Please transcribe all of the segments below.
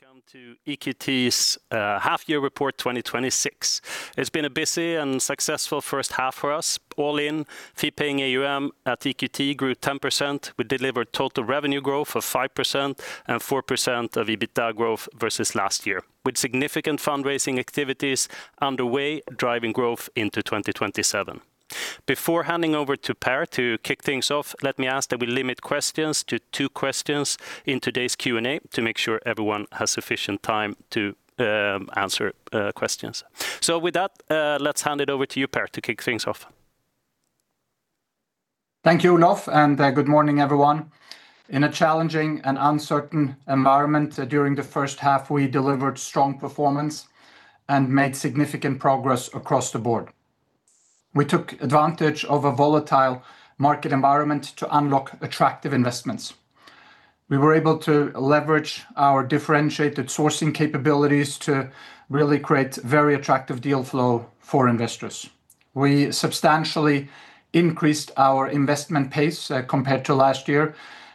Welcome to EQT's half year report 2026. It's been a busy and successful first half for us. All in, fee paying AUM at EQT grew 10%. We delivered total revenue growth of 5% and 4% of EBITDA growth versus last year, with significant fundraising activities underway driving growth into 2027. Before handing over to Per to kick things off, let me ask that we limit questions to two questions in today's Q&A to make sure everyone has sufficient time to answer questions. With that, let's hand it over to you, Per, to kick things off. Thank you, Olof, good morning, everyone. In a challenging and uncertain environment during the first half, we delivered strong performance and made significant progress across the board. We took advantage of a volatile market environment to unlock attractive investments. We were able to leverage our differentiated sourcing capabilities to really create very attractive deal flow for investors. We substantially increased our investment pace compared to last year,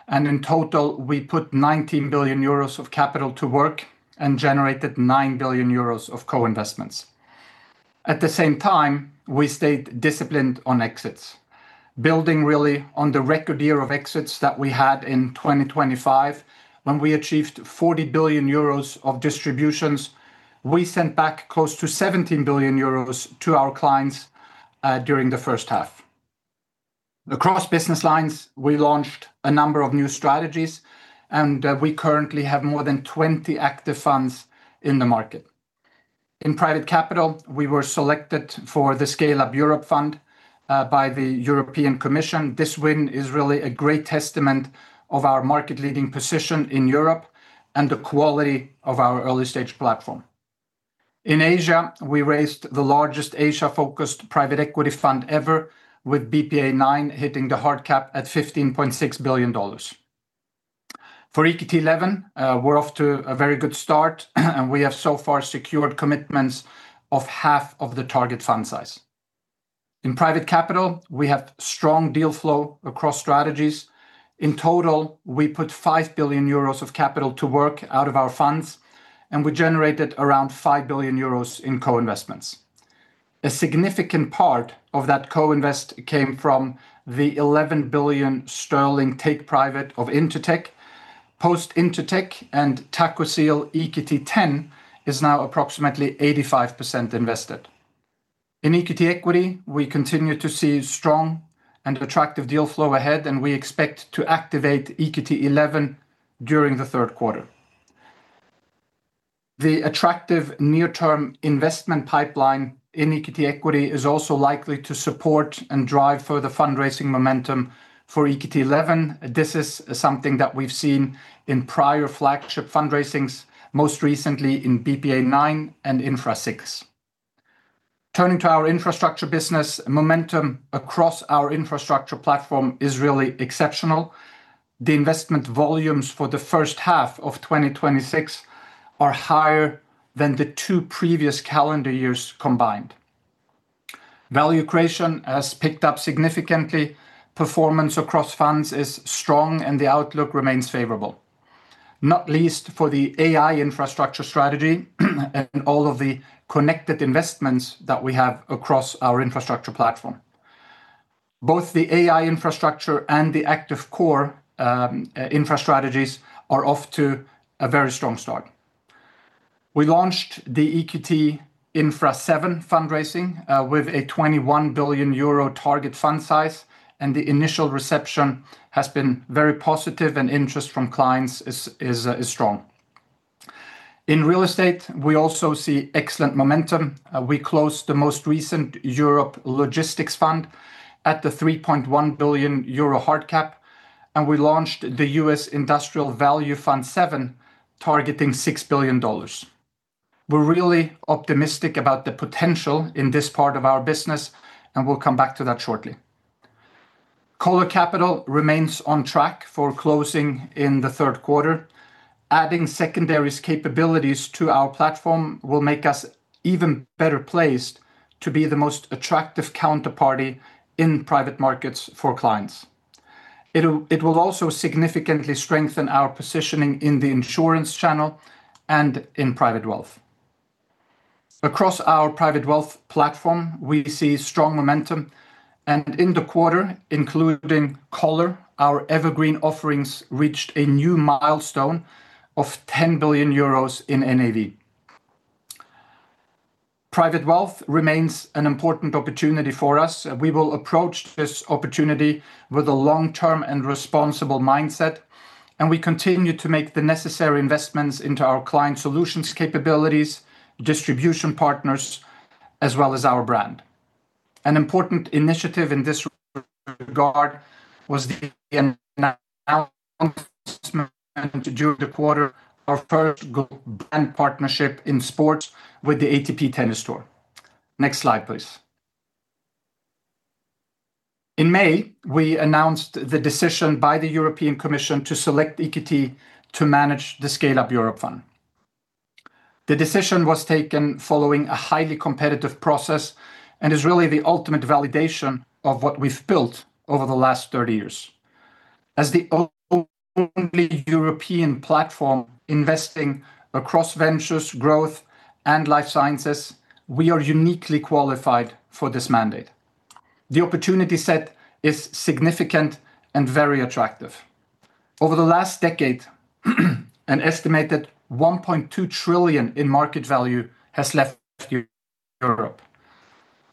in total, we put 19 billion euros of capital to work and generated 9 billion euros of co-investments. At the same time, we stayed disciplined on exits, building really on the record year of exits that we had in 2025, when we achieved 40 billion euros of distributions. We sent back close to 17 billion euros to our clients during the first half. Across business lines, we launched a number of new strategies, we currently have more than 20 active funds in the market. In private capital, we were selected for the Scaleup Europe Fund by the European Commission. This win is really a great testament of our market leading position in Europe and the quality of our early-stage platform. In Asia, we raised the largest Asia-focused private equity fund ever with BPEA IX hitting the hard cap at $15.6 billion. For EQT XI, we're off to a very good start, we have so far secured commitments of half of the target fund size. In private capital, we have strong deal flow across strategies. In total, we put 5 billion euros of capital to work out of our funds, and we generated around 5 billion euros in co-investments. A significant part of that co-invest came from the 11 billion sterling take private of Intertek. Post Intertek and TachoSil, EQT X is now approximately 85% invested. In EQT Equity, we continue to see strong attractive deal flow ahead, we expect to activate EQT XI during the third quarter. The attractive near term investment pipeline in EQT Equity is also likely to support drive further fundraising momentum for EQT XI. This is something that we've seen in prior flagship fundraisings, most recently in BPEA IX and Infra VI. Turning to our infrastructure business, momentum across our infrastructure platform is really exceptional. The investment volumes for the first half of 2026 are higher than the two previous calendar years combined. Value creation has picked up significantly. Performance across funds is strong and the outlook remains favorable, not least for the AI Infrastructure strategy and all of the connected investments that we have across our infrastructure platform. Both the AI Infrastructure and the Active Core Infrastructure strategies are off to a very strong start. We launched the EQT Infra VII fundraising with a 21 billion euro target fund size. The initial reception has been very positive and interest from clients is strong. In real estate, we also see excellent momentum. We closed the most recent EQT Real Estate Europe Logistics Value Fund V at the 3.1 billion euro hard cap. We launched the U.S. EQT Exeter Industrial Value Fund VII, targeting $6 billion. We're really optimistic about the potential in this part of our business. We'll come back to that shortly. Coller Capital remains on track for closing in the third quarter. Adding secondaries capabilities to our platform will make us even better placed to be the most attractive counterparty in private markets for clients. It will also significantly strengthen our positioning in the insurance channel and in private wealth. Across our private wealth platform, we see strong momentum. In the quarter, including Coller, our evergreen offerings reached a new milestone of 10 billion euros in NAV. Private wealth remains an important opportunity for us. We will approach this opportunity with a long-term and responsible mindset. We continue to make the necessary investments into our client solutions capabilities, distribution partners, as well as our brand. An important initiative in this regard was during the quarter our first global brand partnership in sports with the ATP Tour. Next slide, please. In May, we announced the decision by the European Commission to select EQT to manage the Scaleup Europe Fund. The decision was taken following a highly competitive process. It is really the ultimate validation of what we've built over the last 30 years. As the only European platform investing across ventures, growth, and life sciences, we are uniquely qualified for this mandate. The opportunity set is significant and very attractive. Over the last decade, an estimated 1.2 trillion in market value has left Europe.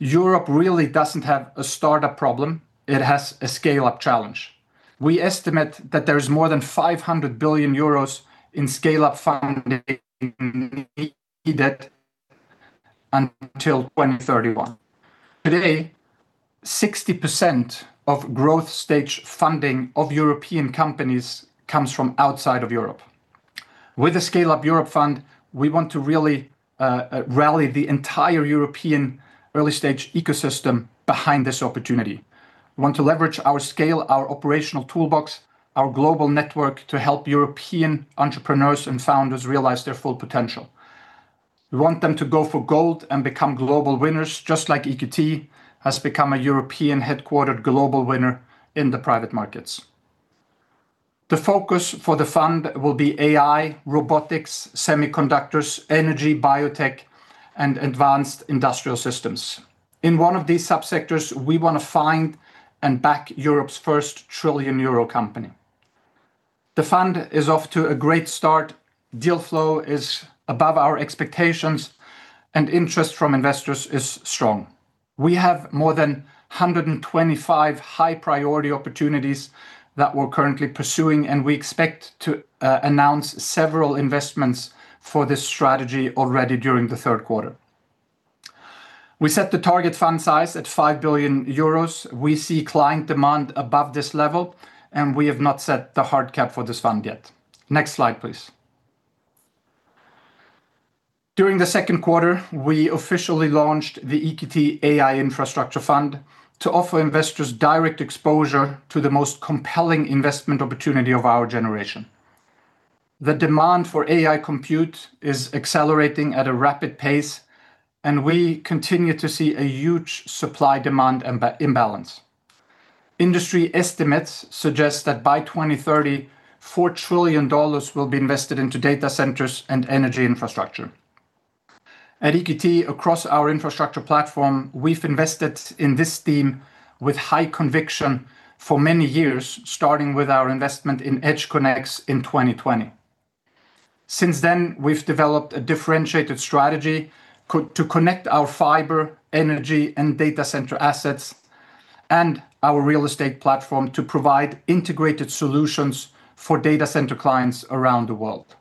Europe really doesn't have a startup problem, it has a scale-up challenge. We estimate that there is more than 500 billion euros in scale-up funding needed until 2031. Today, 60% of growth stage funding of European companies comes from outside of Europe. With the Scaleup Europe Fund, we want to really rally the entire European early-stage ecosystem behind this opportunity. We want to leverage our scale, our operational toolbox, our global network to help European entrepreneurs and founders realize their full potential. We want them to go for gold and become global winners, just like EQT has become a European headquartered global winner in the private markets. The focus for the fund will be AI, robotics, semiconductors, energy, biotech, and advanced industrial systems. In one of these sub-sectors, we want to find and back Europe's first trillion-euro company. The fund is off to a great start, deal flow is above our expectations, and interest from investors is strong. We have more than 125 high-priority opportunities that we're currently pursuing. We expect to announce several investments for this strategy already during the third quarter. We set the target fund size at 5 billion euros. We see client demand above this level. We have not set the hard cap for this fund yet. Next slide, please. During the second quarter, we officially launched the EQT AI Infrastructure Fund to offer investors direct exposure to the most compelling investment opportunity of our generation. The demand for AI compute is accelerating at a rapid pace, we continue to see a huge supply-demand imbalance. Industry estimates suggest that by 2030, $4 trillion will be invested into data centers and energy infrastructure. At EQT, across our infrastructure platform, we've invested in this theme with high conviction for many years, starting with our investment in EdgeConneX in 2020. Since then, we've developed a differentiated strategy to connect our fiber, energy, and data center assets and our real estate platform to provide integrated solutions for data center clients around the world.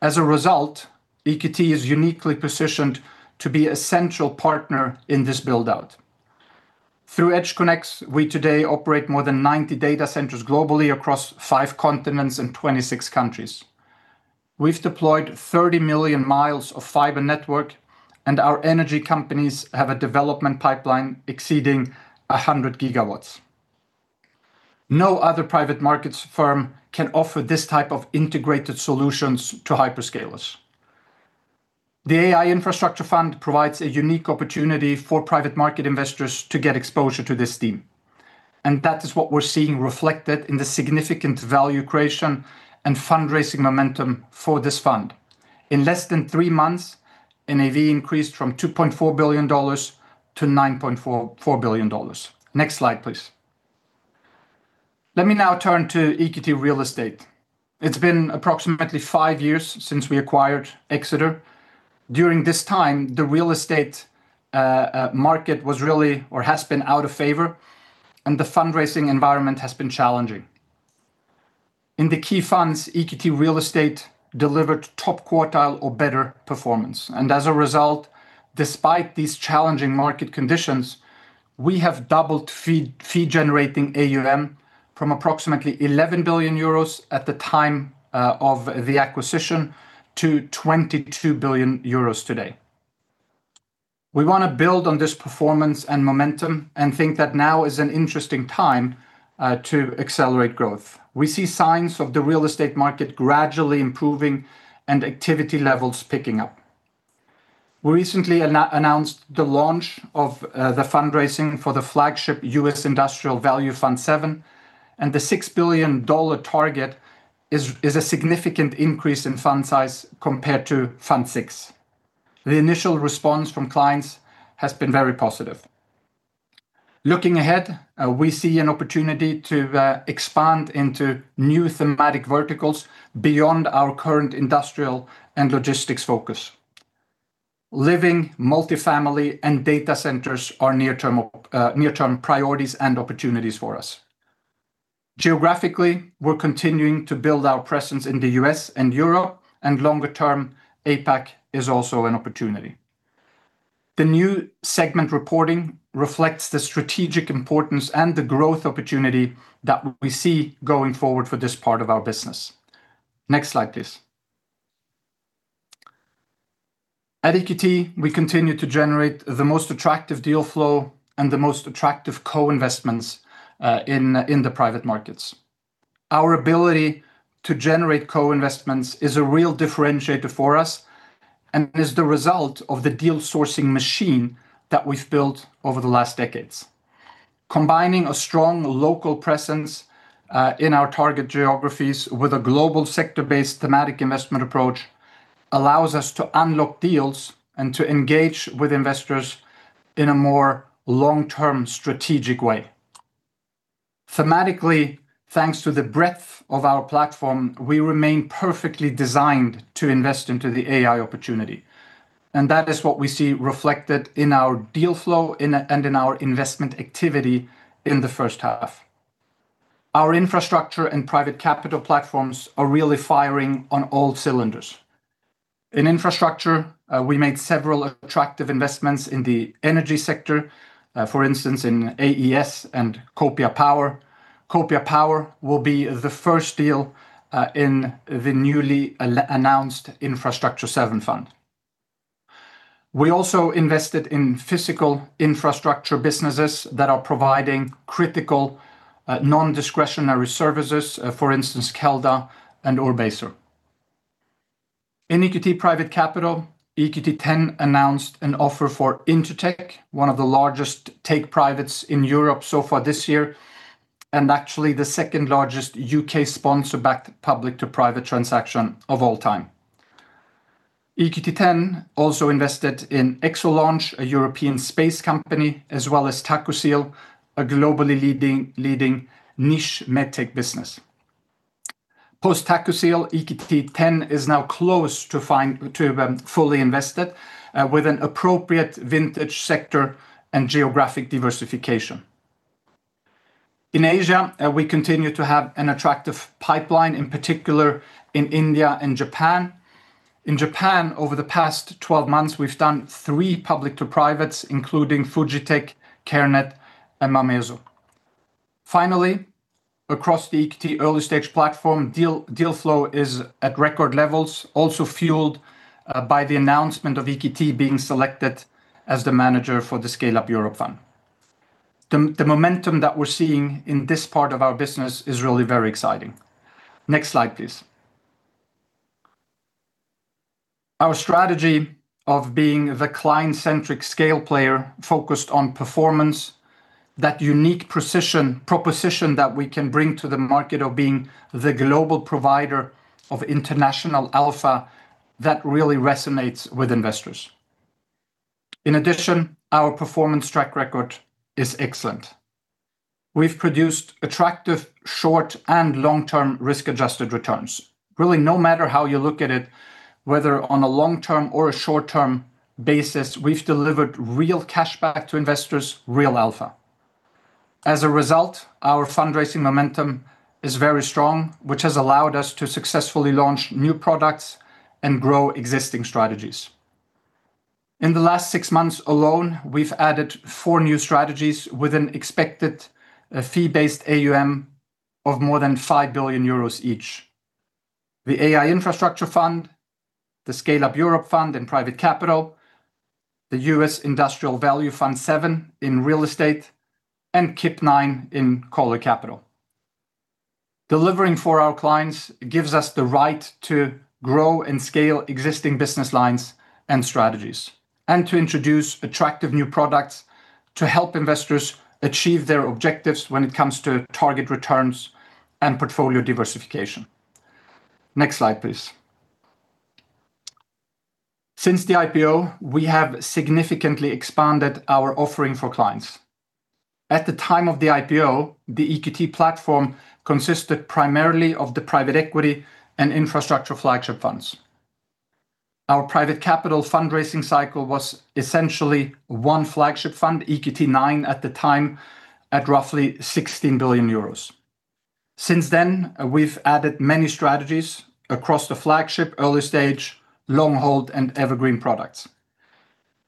As a result, EQT is uniquely positioned to be a central partner in this build-out. Through EdgeConneX, we today operate more than 90 data centers globally across five continents and 26 countries. We've deployed 30 million mi of fiber network, and our energy companies have a development pipeline exceeding 100 GW. No other private markets firm can offer this type of integrated solutions to hyperscalers. The AI Infrastructure Fund provides a unique opportunity for private market investors to get exposure to this theme, that is what we're seeing reflected in the significant value creation and fundraising momentum for this fund. In less than three months, NAV increased from $2.4 billion-$9.4 billion. Next slide, please. Let me now turn to EQT Real Estate. It's been approximately five years since we acquired Exeter. During this time, the real estate market was really or has been out of favor, the fundraising environment has been challenging. In the key funds, EQT Real Estate delivered top quartile or better performance. As a result, despite these challenging market conditions, we have doubled fee-generating AUM from approximately 11 billion euros at the time of the acquisition to 22 billion euros today. We want to build on this performance and momentum, think that now is an interesting time to accelerate growth. We see signs of the real estate market gradually improving, activity levels picking up. We recently announced the launch of the fundraising for the flagship U.S. Industrial Value Fund VII, the $6 billion target is a significant increase in fund size compared to Fund VI. The initial response from clients has been very positive. Looking ahead, we see an opportunity to expand into new thematic verticals beyond our current industrial and logistics focus. Living, multifamily, and data centers are near-term priorities and opportunities for us. Geographically, we're continuing to build our presence in the U.S. and Europe, longer term, APAC is also an opportunity. The new segment reporting reflects the strategic importance, the growth opportunity that we see going forward for this part of our business. Next slide, please. At EQT, we continue to generate the most attractive deal flow, the most attractive co-investments in the private markets. Our ability to generate co-investments is a real differentiator for us, is the result of the deal sourcing machine that we've built over the last decades. Combining a strong local presence in our target geographies with a global sector-based thematic investment approach allows us to unlock deals and to engage with investors in a more long-term strategic way. Thematically, thanks to the breadth of our platform, we remain perfectly designed to invest into the AI opportunity, that is what we see reflected in our deal flow and in our investment activity in the first half. Our infrastructure and private capital platforms are really firing on all cylinders. In infrastructure, we made several attractive investments in the energy sector. For instance, in AES and Copia Power. Copia Power will be the first deal in the newly announced EQT Infrastructure VII fund. We also invested in physical infrastructure businesses that are providing critical non-discretionary services. For instance, Kelda and Urbaser. In EQT Private Capital, EQT X announced an offer for Intertek, one of the largest take-privates in Europe so far this year, and actually the second-largest U.K. sponsor-backed public-to-private transaction of all time. EQT X also invested in Exolaunch, a European space company, as well as TachoSil, a globally leading niche med tech business. Post-TachoSil, EQT X is now close to fully invested with an appropriate vintage sector and geographic diversification. In Asia, we continue to have an attractive pipeline, in particular in India and Japan. In Japan, over the past 12 months, we've done three public to privates, including Fujitec, CareNet, and Mamezo. Across the EQT early-stage platform, deal flow is at record levels, also fueled by the announcement of EQT being selected as the manager for the Scaleup Europe Fund. The momentum that we're seeing in this part of our business is really very exciting. Next slide, please. Our strategy of being the client-centric scale player focused on performance, that unique proposition that we can bring to the market of being the global provider of international alpha, that really resonates with investors. In addition, our performance track record is excellent. We've produced attractive short- and long-term risk-adjusted returns. Really, no matter how you look at it, whether on a long-term or a short-term basis, we've delivered real cash back to investors, real alpha. As a result, our fundraising momentum is very strong, which has allowed us to successfully launch new products and grow existing strategies. In the last six months alone, we've added four new strategies with an expected fee-based AUM of more than 5 billion euros each. The EQT AI Infrastructure Fund, the Scaleup Europe Fund in private capital, the U.S. Industrial Value Fund VII in real estate, and Coller International Partners IX in Coller Capital. Delivering for our clients gives us the right to grow and scale existing business lines and strategies, and to introduce attractive new products to help investors achieve their objectives when it comes to target returns and portfolio diversification. Next slide, please. Since the IPO, we have significantly expanded our offering for clients. At the time of the IPO, the EQT platform consisted primarily of the private equity and infrastructure flagship funds. Our private capital fundraising cycle was essentially one flagship fund, EQT IX at the time, at roughly 16 billion euros. Since then, we've added many strategies across the flagship early stage, long hold, and evergreen products.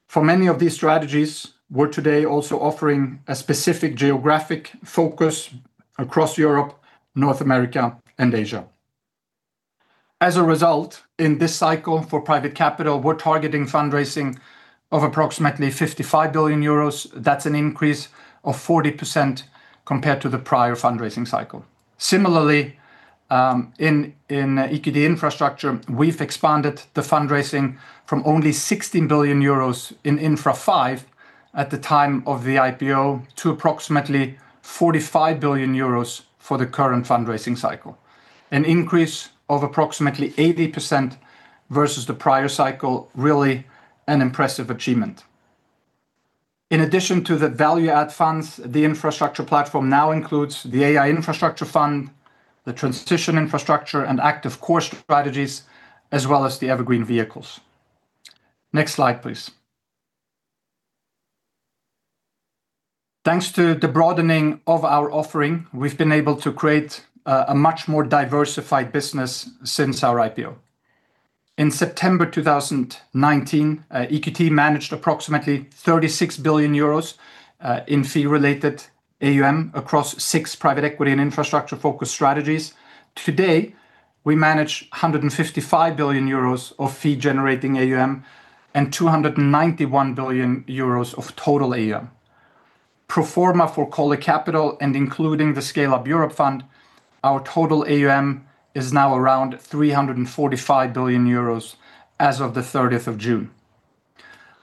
For many of these strategies, we're today also offering a specific geographic focus across Europe, North America, and Asia. As a result, in this cycle for private capital, we're targeting fundraising of approximately 55 billion euros. That's an increase of 40% compared to the prior fundraising cycle. Similarly, in EQT Infrastructure, we've expanded the fundraising from only 16 billion euros in EQT Infra V at the time of the IPO to approximately 45 billion euros for the current fundraising cycle. An increase of approximately 80% versus the prior cycle, really an impressive achievement. In addition to the value-add funds, the infrastructure platform now includes the EQT AI Infrastructure Fund, the EQT Transition Infrastructure, and EQT Active Core Infrastructure, as well as the evergreen vehicles. Next slide, please. Thanks to the broadening of our offering, we've been able to create a much more diversified business since our IPO. In September 2019, EQT managed approximately 36 billion euros in fee-related AUM across six private equity and infrastructure-focused strategies. Today, we manage 155 billion euros of fee-generating AUM and 291 billion euros of total AUM. Pro forma for Coller Capital and including the Scaleup Europe Fund, our total AUM is now around 345 billion euros as of June 30th.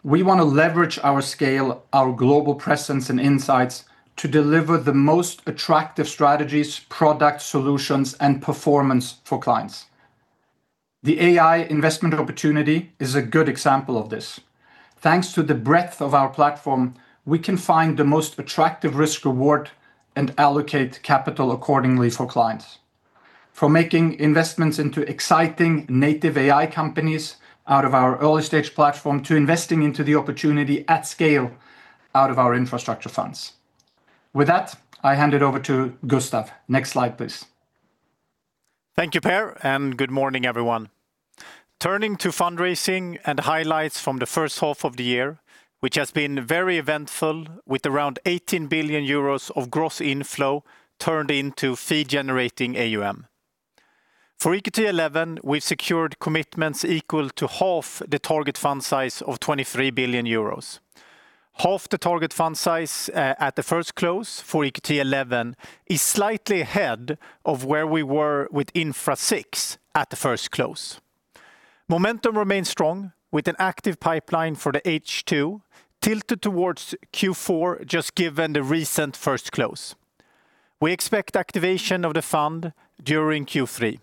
We want to leverage our scale, our global presence, and insights to deliver the most attractive strategies, product solutions, and performance for clients. The AI investment opportunity is a good example of this. Thanks to the breadth of our platform, we can find the most attractive risk-reward and allocate capital accordingly for clients. From making investments into exciting native AI companies out of our early-stage platform, to investing into the opportunity at scale out of our infrastructure funds. With that, I hand it over to Gustav. Next slide, please. Thank you, Per, good morning, everyone. Turning to fundraising and highlights from the first half of the year, which has been very eventful with around 18 billion euros of gross inflow turned into fee-generating AUM. For EQT XI, we've secured commitments equal to half the target fund size of 23 billion euros. Half the target fund size at the first close for EQT XI is slightly ahead of where we were with Infra VI at the first close. Momentum remains strong with an active pipeline for the H2 tilted towards Q4, just given the recent first close. We expect activation of the fund during Q3.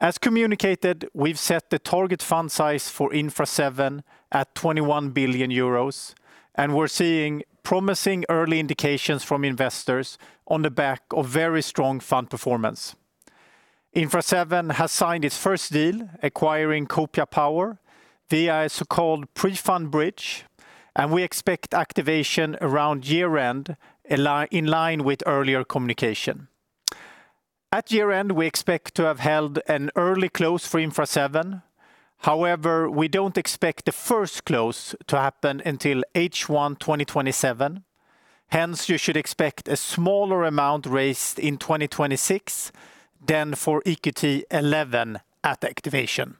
As communicated, we've set the target fund size for Infra VII at 21 billion euros. We're seeing promising early indications from investors on the back of very strong fund performance. Infra VII has signed its first deal acquiring Copia Power via a so-called pre-fund bridge. We expect activation around year-end in line with earlier communication. At year-end, we expect to have held an early close for Infra VII. However, we don't expect the first close to happen until H1 2027. Hence, you should expect a smaller amount raised in 2026 than for EQT XI at activation.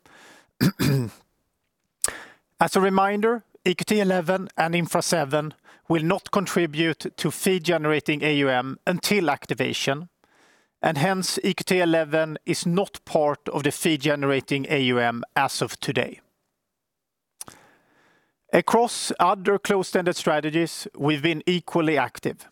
As a reminder, EQT XI and Infra VII will not contribute to fee-generating AUM until activation. Hence, EQT XI is not part of the fee-generating AUM as of today. Across other closed-ended strategies, we've been equally active.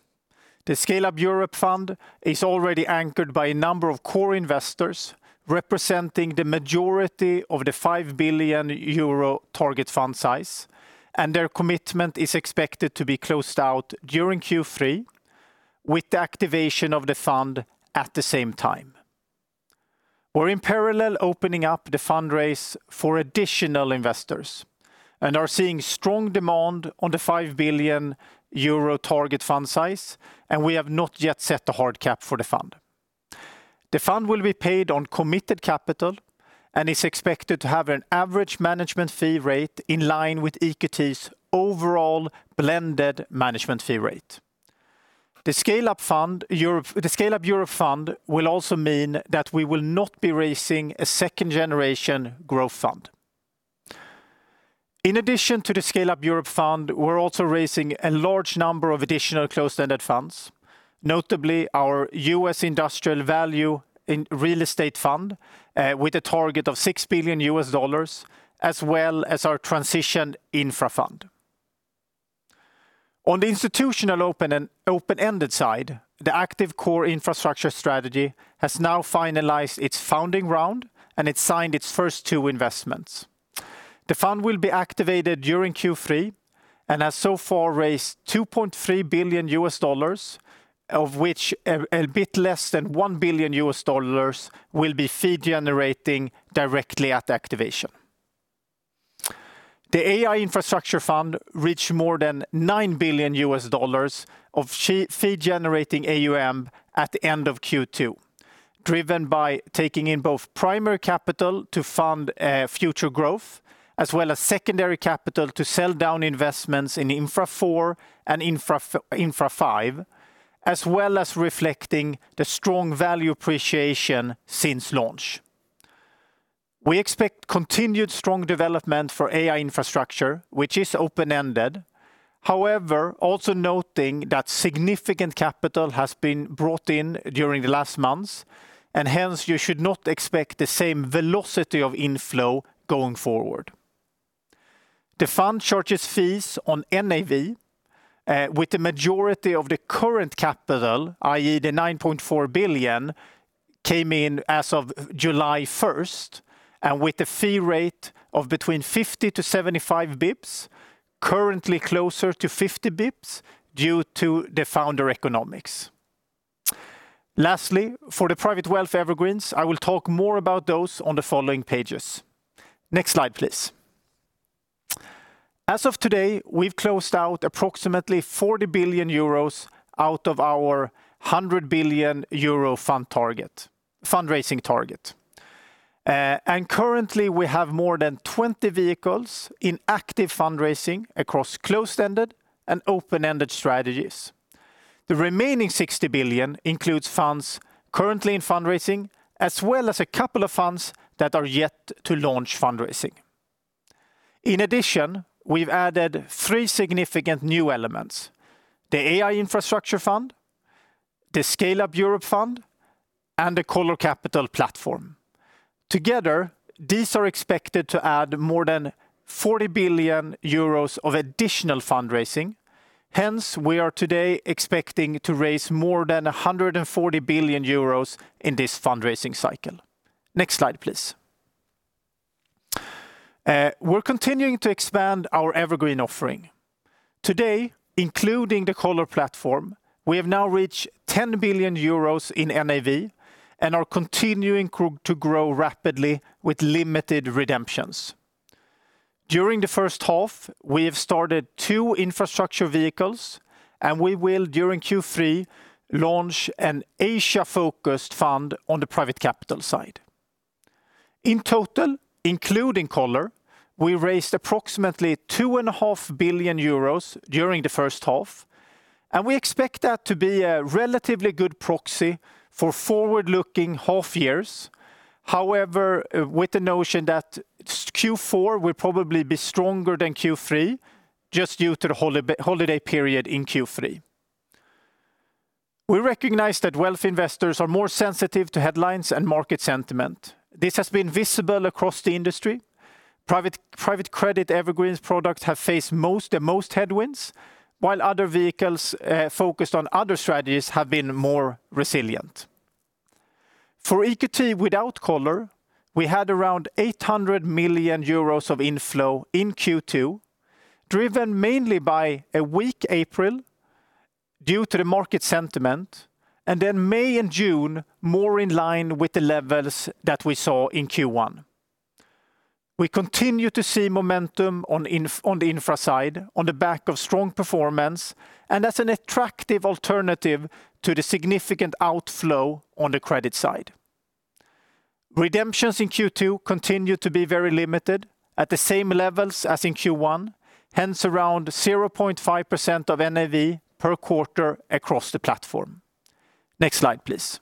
The Scaleup Europe Fund is already anchored by a number of core investors, representing the majority of the 5 billion euro target fund size. Their commitment is expected to be closed out during Q3 with the activation of the fund at the same time. We're in parallel opening up the fundraise for additional investors and are seeing strong demand on the 5 billion euro target fund size, and we have not yet set a hard cap for the fund. The fund will be paid on committed capital and is expected to have an average management fee rate in line with EQT's overall blended management fee rate. The Scaleup Europe Fund will also mean that we will not be raising a second-generation growth fund. In addition to the Scaleup Europe Fund, we're also raising a large number of additional closed-ended funds, notably our U.S. Industrial Value and Real Estate Fund with a target of $6 billion, as well as our Transition Infra Fund. On the institutional open and open-ended side, the Active Core Infrastructure strategy has now finalized its founding round, and it signed its first two investments. The fund will be activated during Q3 and has so far raised $2.3 billion, of which a bit less than $1 billion will be fee generating directly at activation. The AI Infrastructure Fund reached more than $9 billion of fee-generating AUM at the end of Q2, driven by taking in both primary capital to fund future growth, as well as secondary capital to sell down investments in Infra IV and Infra V, as well as reflecting the strong value appreciation since launch. We expect continued strong development for AI Infrastructure, which is open-ended. However, also noting that significant capital has been brought in during the last months, and hence you should not expect the same velocity of inflow going forward. The fund charges fees on NAV with the majority of the current capital, i.e. the 9.4 billion, came in as of July 1st and with a fee rate of between 50-75 basis points, currently closer to 50 basis points due to the founder economics. Lastly, for the private wealth evergreens, I will talk more about those on the following pages. Next slide, please. As of today, we've closed out approximately 40 billion euros out of our 100 billion euro fundraising target. Currently, we have more than 20 vehicles in active fundraising across closed-ended and open-ended strategies. The remaining 60 billion includes funds currently in fundraising, as well as a couple of funds that are yet to launch fundraising. In addition, we've added three significant new elements: the AI Infrastructure Fund, the Scaleup Europe Fund, and the Coller Capital platform. Together, these are expected to add more than 40 billion euros of additional fundraising. We are today expecting to raise more than 140 billion euros in this fundraising cycle. Next slide, please. We're continuing to expand our evergreen offering. Today, including the Coller platform, we have now reached 10 billion euros in NAV and are continuing to grow rapidly with limited redemptions. During the first half, we have started two infrastructure vehicles and we will, during Q3, launch an Asia-focused fund on the private capital side. In total, including Coller, we raised approximately 2.5 billion euros during the first half, and we expect that to be a relatively good proxy for forward-looking half years. However, with the notion that Q4 will probably be stronger than Q3 just due to the holiday period in Q3. We recognize that wealth investors are more sensitive to headlines and market sentiment. This has been visible across the industry. Private credit evergreen products have faced the most headwinds, while other vehicles focused on other strategies have been more resilient. For EQT without Coller, we had around 800 million euros of inflow in Q2, driven mainly by a weak April due to the market sentiment, and May and June more in line with the levels that we saw in Q1. We continue to see momentum on the infra side on the back of strong performance and as an attractive alternative to the significant outflow on the credit side. Redemptions in Q2 continue to be very limited at the same levels as in Q1, hence around 0.5% of NAV per quarter across the platform. Next slide, please.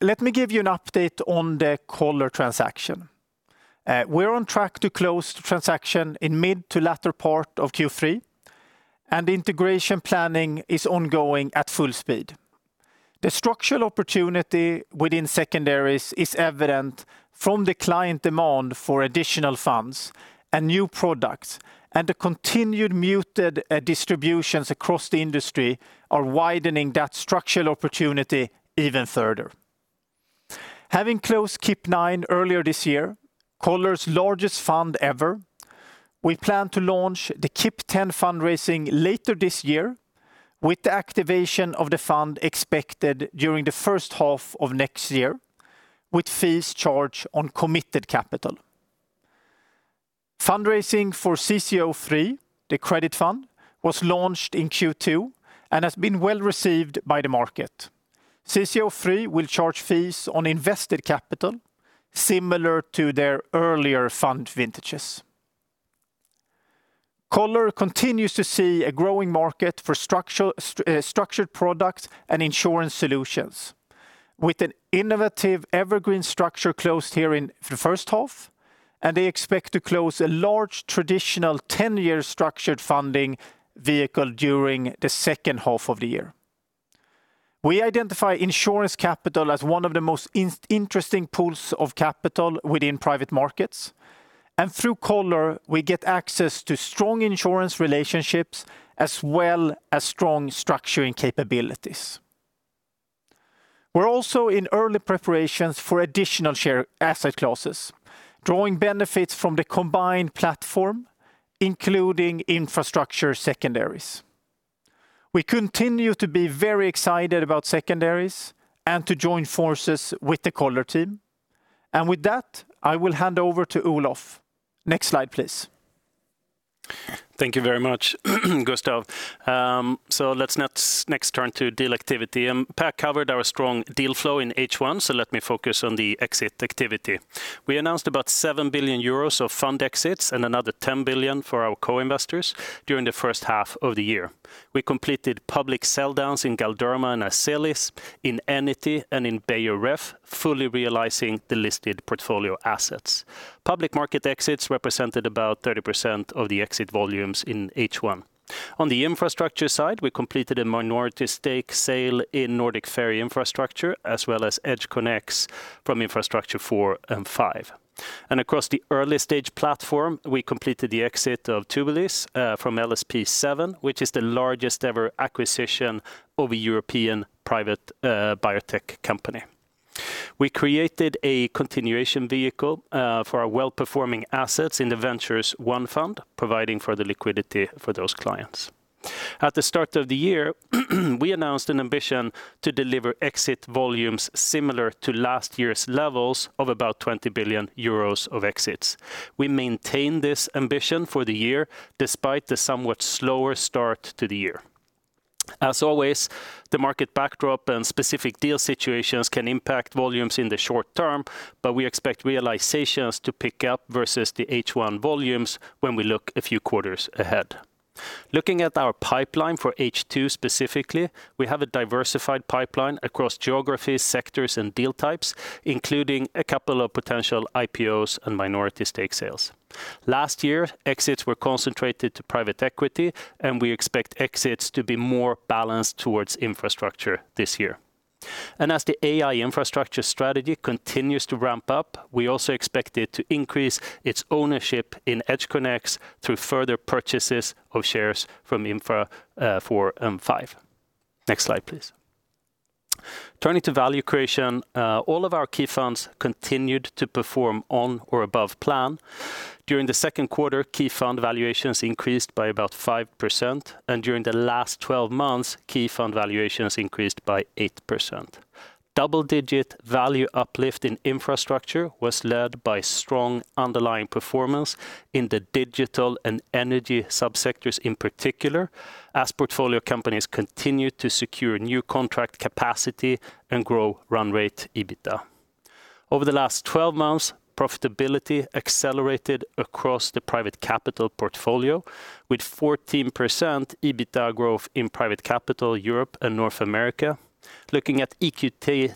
Let me give you an update on the Coller transaction. We are on track to close the transaction in mid to latter part of Q3 and integration planning is ongoing at full speed. The structural opportunity within secondaries is evident from the client demand for additional funds and new products, the continued muted distributions across the industry are widening that structural opportunity even further. Having closed CIP IX earlier this year, Coller's largest fund ever, we plan to launch the CIP X fundraising later this year with the activation of the fund expected during the first half of next year, with fees charged on committed capital. Fundraising for CCO III, the credit fund, was launched in Q2 and has been well received by the market. CCO III will charge fees on invested capital similar to their earlier fund vintages. Coller continues to see a growing market for structured products and insurance solutions with an innovative evergreen structure closed here in the first half, and they expect to close a large traditional 10-year structured funding vehicle during the second half of the year. We identify insurance capital as one of the most interesting pools of capital within private markets, through Coller, we get access to strong insurance relationships as well as strong structuring capabilities. We are also in early preparations for additional share asset classes, drawing benefits from the combined platform, including infrastructure secondaries. We continue to be very excited about secondaries and to join forces with the Coller team. With that, I will hand over to Olof. Next slide, please. Thank you very much, Gustav. Let's next turn to deal activity. Per covered our strong deal flow in H1, let me focus on the exit activity. We announced about 7 billion euros of fund exits and another 10 billion for our co-investors during the first half of the year. We completed public sell downs in Galderma and Azelis, in Enity and in Beijer Ref, fully realizing the listed portfolio assets. Public market exits represented about 30% of the exit volumes in H1. On the infrastructure side, we completed a minority stake sale in Nordic Ferry Infrastructure as well as EdgeConneX from Infrastructure IV and V. Across the early-stage platform, we completed the exit of Tubulis from LSP 7, which is the largest ever acquisition of a European private biotech company. We created a continuation vehicle for our well-performing assets in the EQT Ventures I fund, providing for the liquidity for those clients. At the start of the year, we announced an ambition to deliver exit volumes similar to last year's levels of about 20 billion euros of exits. We maintain this ambition for the year despite the somewhat slower start to the year. As always, the market backdrop and specific deal situations can impact volumes in the short term, but we expect realizations to pick up versus the H1 volumes when we look a few quarters ahead. Looking at our pipeline for H2 specifically, we have a diversified pipeline across geographies, sectors, and deal types, including a couple of potential IPOs and minority stake sales. Last year, exits were concentrated to private equity, and we expect exits to be more balanced towards infrastructure this year. As the EQT AI Infrastructure strategy continues to ramp up, we also expect it to increase its ownership in EdgeConneX through further purchases of shares from Infra IV and V. Next slide, please. Turning to value creation, all of our key funds continued to perform on or above plan. During the second quarter, key fund valuations increased by about 5%, and during the last 12 months, key fund valuations increased by 8%. Double-digit value uplift in infrastructure was led by strong underlying performance in the digital and energy sub-sectors in particular, as portfolio companies continued to secure new contract capacity and grow run rate EBITDA. Over the last 12 months, profitability accelerated across the private capital portfolio with 14% EBITDA growth in private capital Europe and North America. Looking at EQT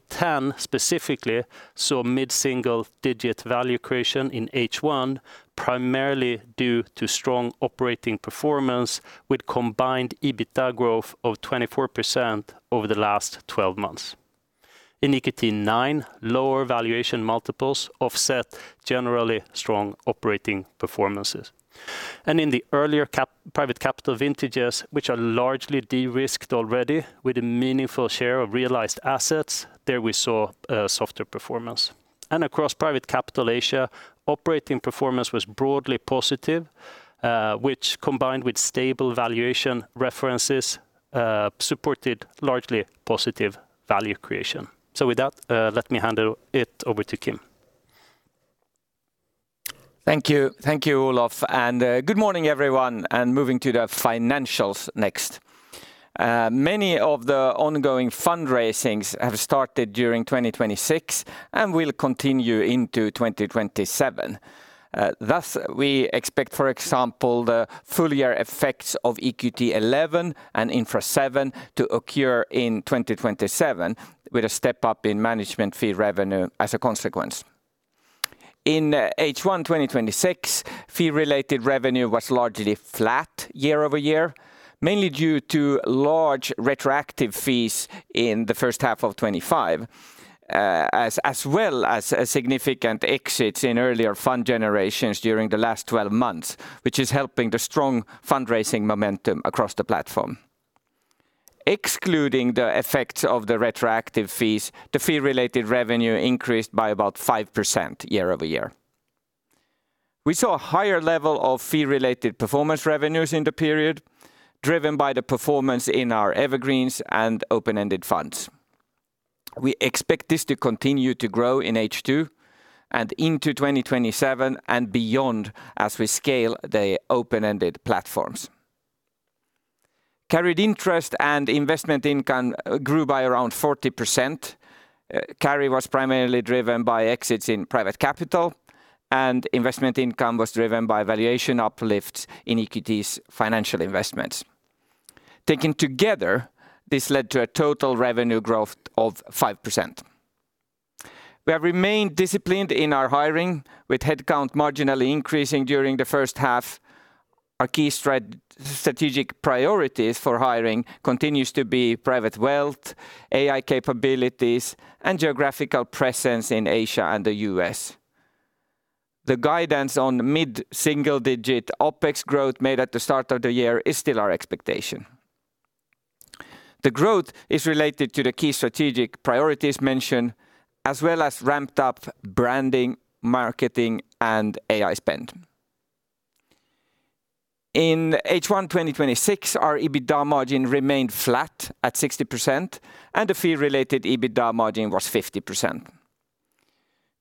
X specifically, saw mid-single digit value creation in H1, primarily due to strong operating performance with combined EBITDA growth of 24% over the last 12 months. In EQT IX, lower valuation multiples offset generally strong operating performances. In the earlier private capital vintages, which are largely de-risked already with a meaningful share of realized assets, there we saw softer performance. Across private capital Asia, operating performance was broadly positive, which combined with stable valuation references, supported largely positive value creation. With that, let me hand it over to Kim. Thank you, Olof, and good morning, everyone, moving to the financials next. Many of the ongoing fundraisings have started during 2026 and will continue into 2027. Thus, we expect, for example, the full-year effects of EQT XI and Infra VII to occur in 2027 with a step-up in management fee revenue as a consequence. In H1 2026, fee-related revenue was largely flat year-over-year, mainly due to large retroactive fees in the first half of 2025, as well as significant exits in earlier fund generations during the last 12 months, which is helping the strong fundraising momentum across the platform. Excluding the effects of the retroactive fees, the fee-related revenue increased by about 5% year-over-year. We saw a higher level of fee-related performance revenues in the period, driven by the performance in our evergreens and open-ended funds. We expect this to continue to grow in H2 and into 2027 and beyond as we scale the open-ended platforms. Carried interest and investment income grew by around 40%. Carry was primarily driven by exits in private capital, and investment income was driven by valuation uplifts in EQT's financial investments. Taken together, this led to a total revenue growth of 5%. We have remained disciplined in our hiring, with headcount marginally increasing during the first half. Our key strategic priorities for hiring continues to be private wealth, AI capabilities, and geographical presence in Asia and the U.S. The guidance on mid-single digit OpEx growth made at the start of the year is still our expectation. The growth is related to the key strategic priorities mentioned, as well as ramped-up branding, marketing, and AI spend. In H1 2026, our EBITDA margin remained flat at 60%, and the fee-related EBITDA margin was 50%.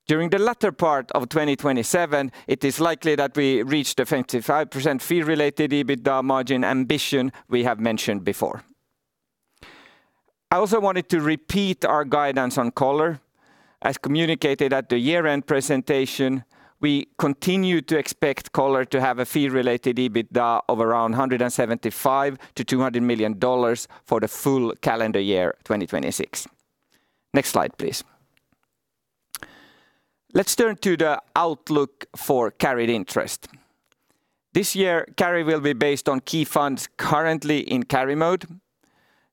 During the latter part of 2027, it is likely that we reach the 55% fee-related EBITDA margin ambition we have mentioned before. I also wanted to repeat our guidance on Coller. As communicated at the year-end presentation, we continue to expect Coller to have a fee-related EBITDA of around EUR 175 million-EUR 200 million for the full calendar year 2026. Next slide, please. Let's turn to the outlook for carried interest. This year, carry will be based on key funds currently in carry mode.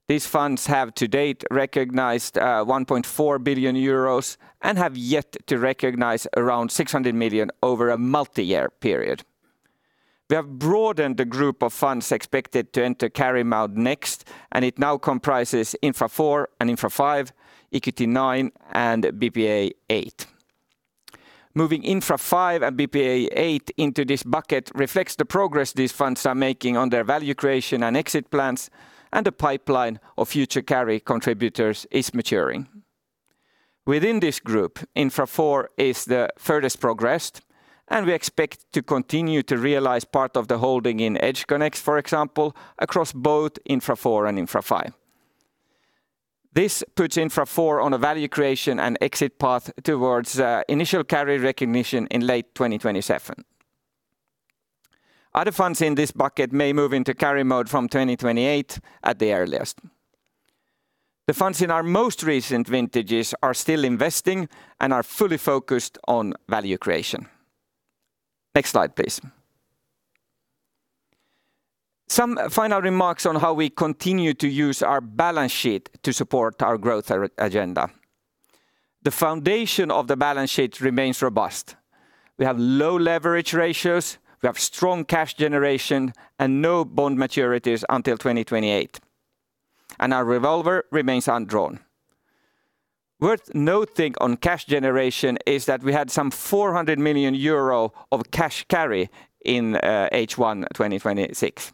These funds have to date recognized 1.4 billion euros and have yet to recognize around 600 million over a multi-year period. We have broadened the group of funds expected to enter carry mode next, and it now comprises Infra IV and Infra V, EQT IX, and BPEA VIII. Moving Infra V and BPEA VIII into this bucket reflects the progress these funds are making on their value creation and exit plans, and a pipeline of future carry contributors is maturing. Within this group, Infra IV is the furthest progressed, and we expect to continue to realize part of the holding in EdgeConneX, for example, across both Infra IV and Infra V. This puts Infra IV on a value creation and exit path towards initial carry recognition in late 2027. Other funds in this bucket may move into carry mode from 2028 at the earliest. The funds in our most recent vintages are still investing and are fully focused on value creation. Next slide, please. Some final remarks on how we continue to use our balance sheet to support our growth agenda. The foundation of the balance sheet remains robust. We have low leverage ratios, we have strong cash generation and no bond maturities until 2028, and our revolver remains undrawn. Worth noting on cash generation is that we had some 400 million euro of cash carry in H1 2026.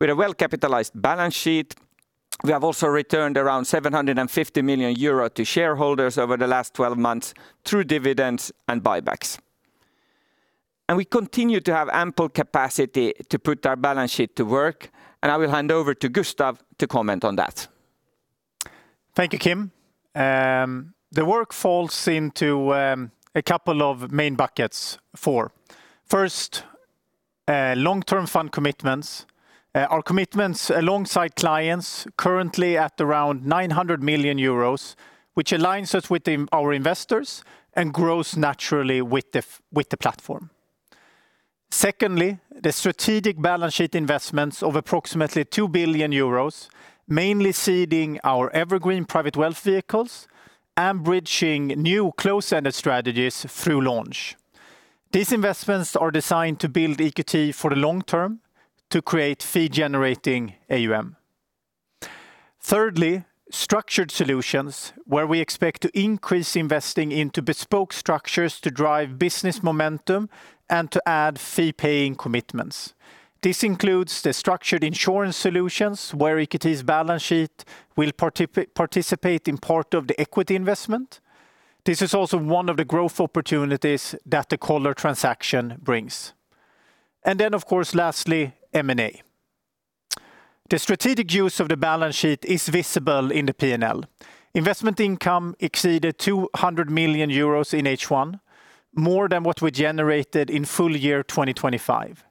With a well-capitalized balance sheet, we have also returned around 750 million euro to shareholders over the last 12 months through dividends and buybacks. And we continue to have ample capacity to put our balance sheet to work, and I will hand over to Gustav to comment on that. Thank you, Kim. The work falls into a couple of main buckets. Four. First, long-term fund commitments. Our commitments alongside clients currently at around 900 million euros, which aligns us with our investors and grows naturally with the platform. Secondly, the strategic balance sheet investments of approximately 2 billion euros, mainly seeding our evergreen private wealth vehicles and bridging new close-ended strategies through launch. These investments are designed to build EQT for the long term to create fee-generating AUM. Thirdly, Structured Insurance Solutions where we expect to increase investing into bespoke structures to drive business momentum and to add fee-paying commitments. This includes the Structured Insurance Solutions where EQT's balance sheet will participate in part of the equity investment. This is also one of the growth opportunities that the Coller transaction brings. Of course, lastly, M&A. The strategic use of the balance sheet is visible in the P&L. Investment income exceeded 200 million euros in H1, more than what we generated in full-year 2025.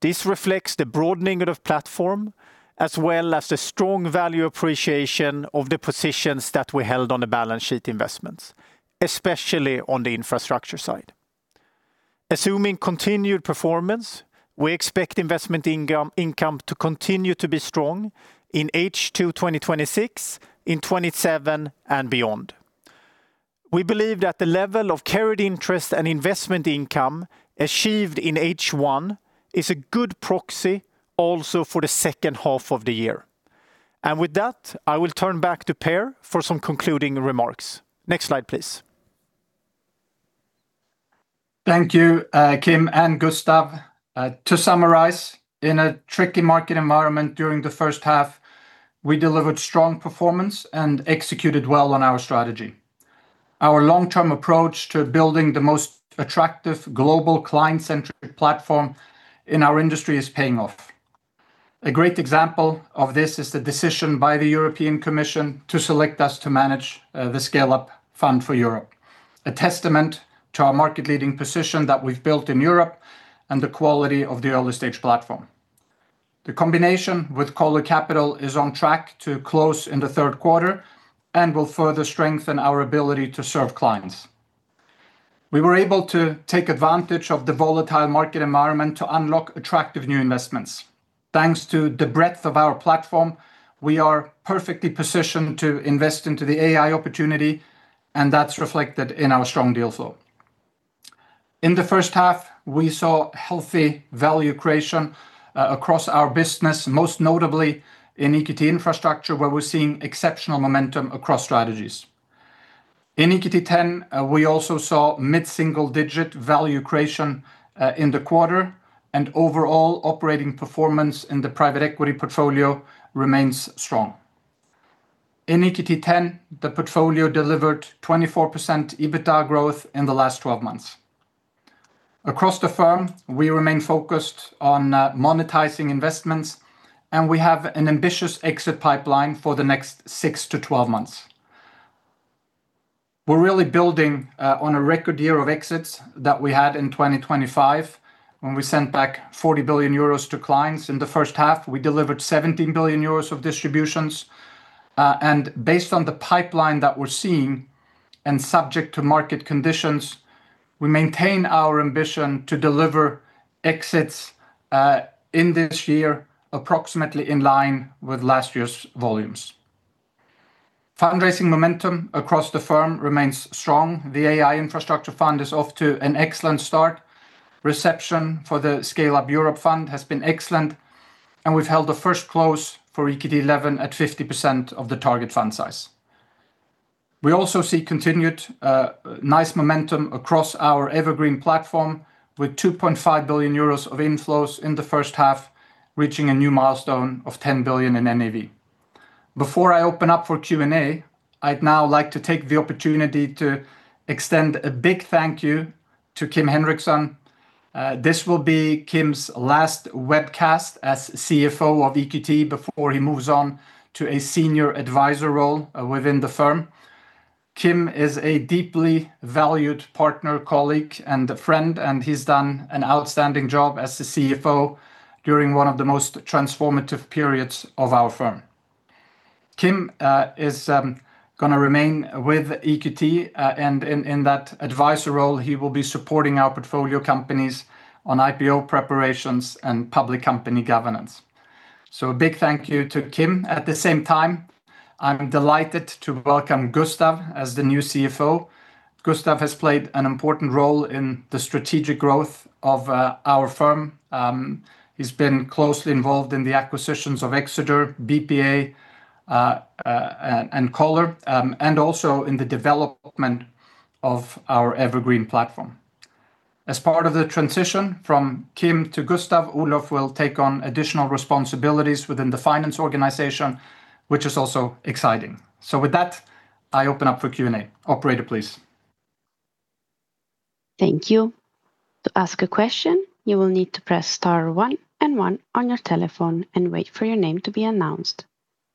This reflects the broadening of the platform as well as the strong value appreciation of the positions that we held on the balance sheet investments, especially on the infrastructure side. Assuming continued performance, we expect investment income to continue to be strong in H2 2026, in 2027 and beyond. We believe that the level of carried interest and investment income achieved in H1 is a good proxy also for the second half of the year. With that, I will turn back to Per for some concluding remarks. Next slide, please. Thank you, Kim and Gustav. To summarize, in a tricky market environment during the first half, we delivered strong performance and executed well on our strategy. Our long-term approach to building the most attractive global client-centric platform in our industry is paying off. A great example of this is the decision by the European Commission to select us to manage the Scaleup Europe Fund, a testament to our market leading position that we've built in Europe and the quality of the early-stage platform. The combination with Coller Capital is on track to close in the third quarter and will further strengthen our ability to serve clients. We were able to take advantage of the volatile market environment to unlock attractive new investments. Thanks to the breadth of our platform, we are perfectly positioned to invest into the AI opportunity, and that's reflected in our strong deal flow. In the first half, we saw healthy value creation across our business, most notably in EQT Infrastructure, where we're seeing exceptional momentum across strategies. In EQT X, we also saw mid-single-digit value creation in the quarter and overall operating performance in the private equity portfolio remains strong. In EQT X, the portfolio delivered 24% EBITDA growth in the last 12 months. Across the firm, we remain focused on monetizing investments, and we have an ambitious exit pipeline for the next 6-12 months. We're really building on a record year of exits that we had in 2025 when we sent back 40 billion euros to clients. In the first half, we delivered 17 billion euros of distributions. Based on the pipeline that we're seeing, and subject to market conditions, we maintain our ambition to deliver exits in this year approximately in line with last year's volumes. Fundraising momentum across the firm remains strong. The EQT AI Infrastructure fund is off to an excellent start. Reception for the Scaleup Europe Fund has been excellent and we've held a first close for EQT XI at 50% of the target fund size. We also see continued nice momentum across our evergreen platform. We have 2.5 billion euros of inflows in the first half, reaching a new milestone of 10 billion in NAV. Before I open up for Q&A, I'd now like to take the opportunity to extend a big thank you to Kim Henriksson. This will be Kim's last webcast as CFO of EQT before he moves on to a senior advisor role within the firm. Kim is a deeply valued partner, colleague, and a friend, and he's done an outstanding job as the CFO during one of the most transformative periods of our firm. Kim is going to remain with EQT, and in that advisor role, he will be supporting our portfolio companies on IPO preparations and public company governance. A big thank you to Kim. At the same time, I'm delighted to welcome Gustav as the new CFO. Gustav has played an important role in the strategic growth of our firm. He's been closely involved in the acquisitions of Exeter, BPEA, and Coller, and also in the development of our Evergreen platform. As part of the transition from Kim to Gustav, Olof will take on additional responsibilities within the finance organization, which is also exciting. With that, I open up for Q&A. Operator, please. Thank you. To ask a question, you will need to press star one and one on your telephone and wait for your name to be announced.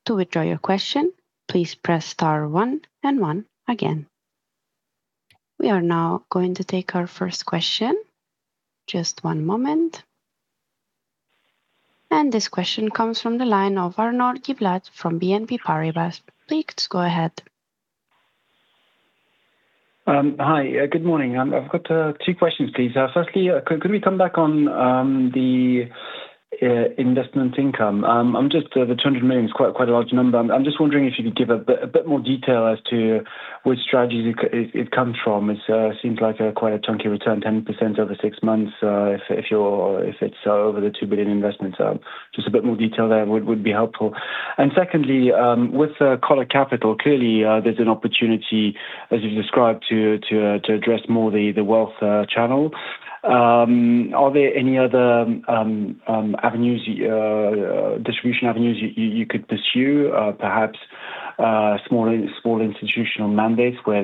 To withdraw your question, please press star one and one again. We are now going to take our first question. Just one moment. This question comes from the line of Arnaud Giblat from BNP Paribas. Please go ahead. Hi, good morning. I've got two questions, please. Firstly, could we come back on the investment income? The 200 million is quite a large number. I'm just wondering if you could give a bit more detail as to which strategies it comes from. It seems like quite a chunky return, 10% over six months if it's over the 2 billion investments. Just a bit more detail there would be helpful. Secondly, with Coller Capital, clearly there's an opportunity, as you've described, to address more the wealth channel. Are there any other distribution avenues you could pursue? Perhaps small institutional mandates where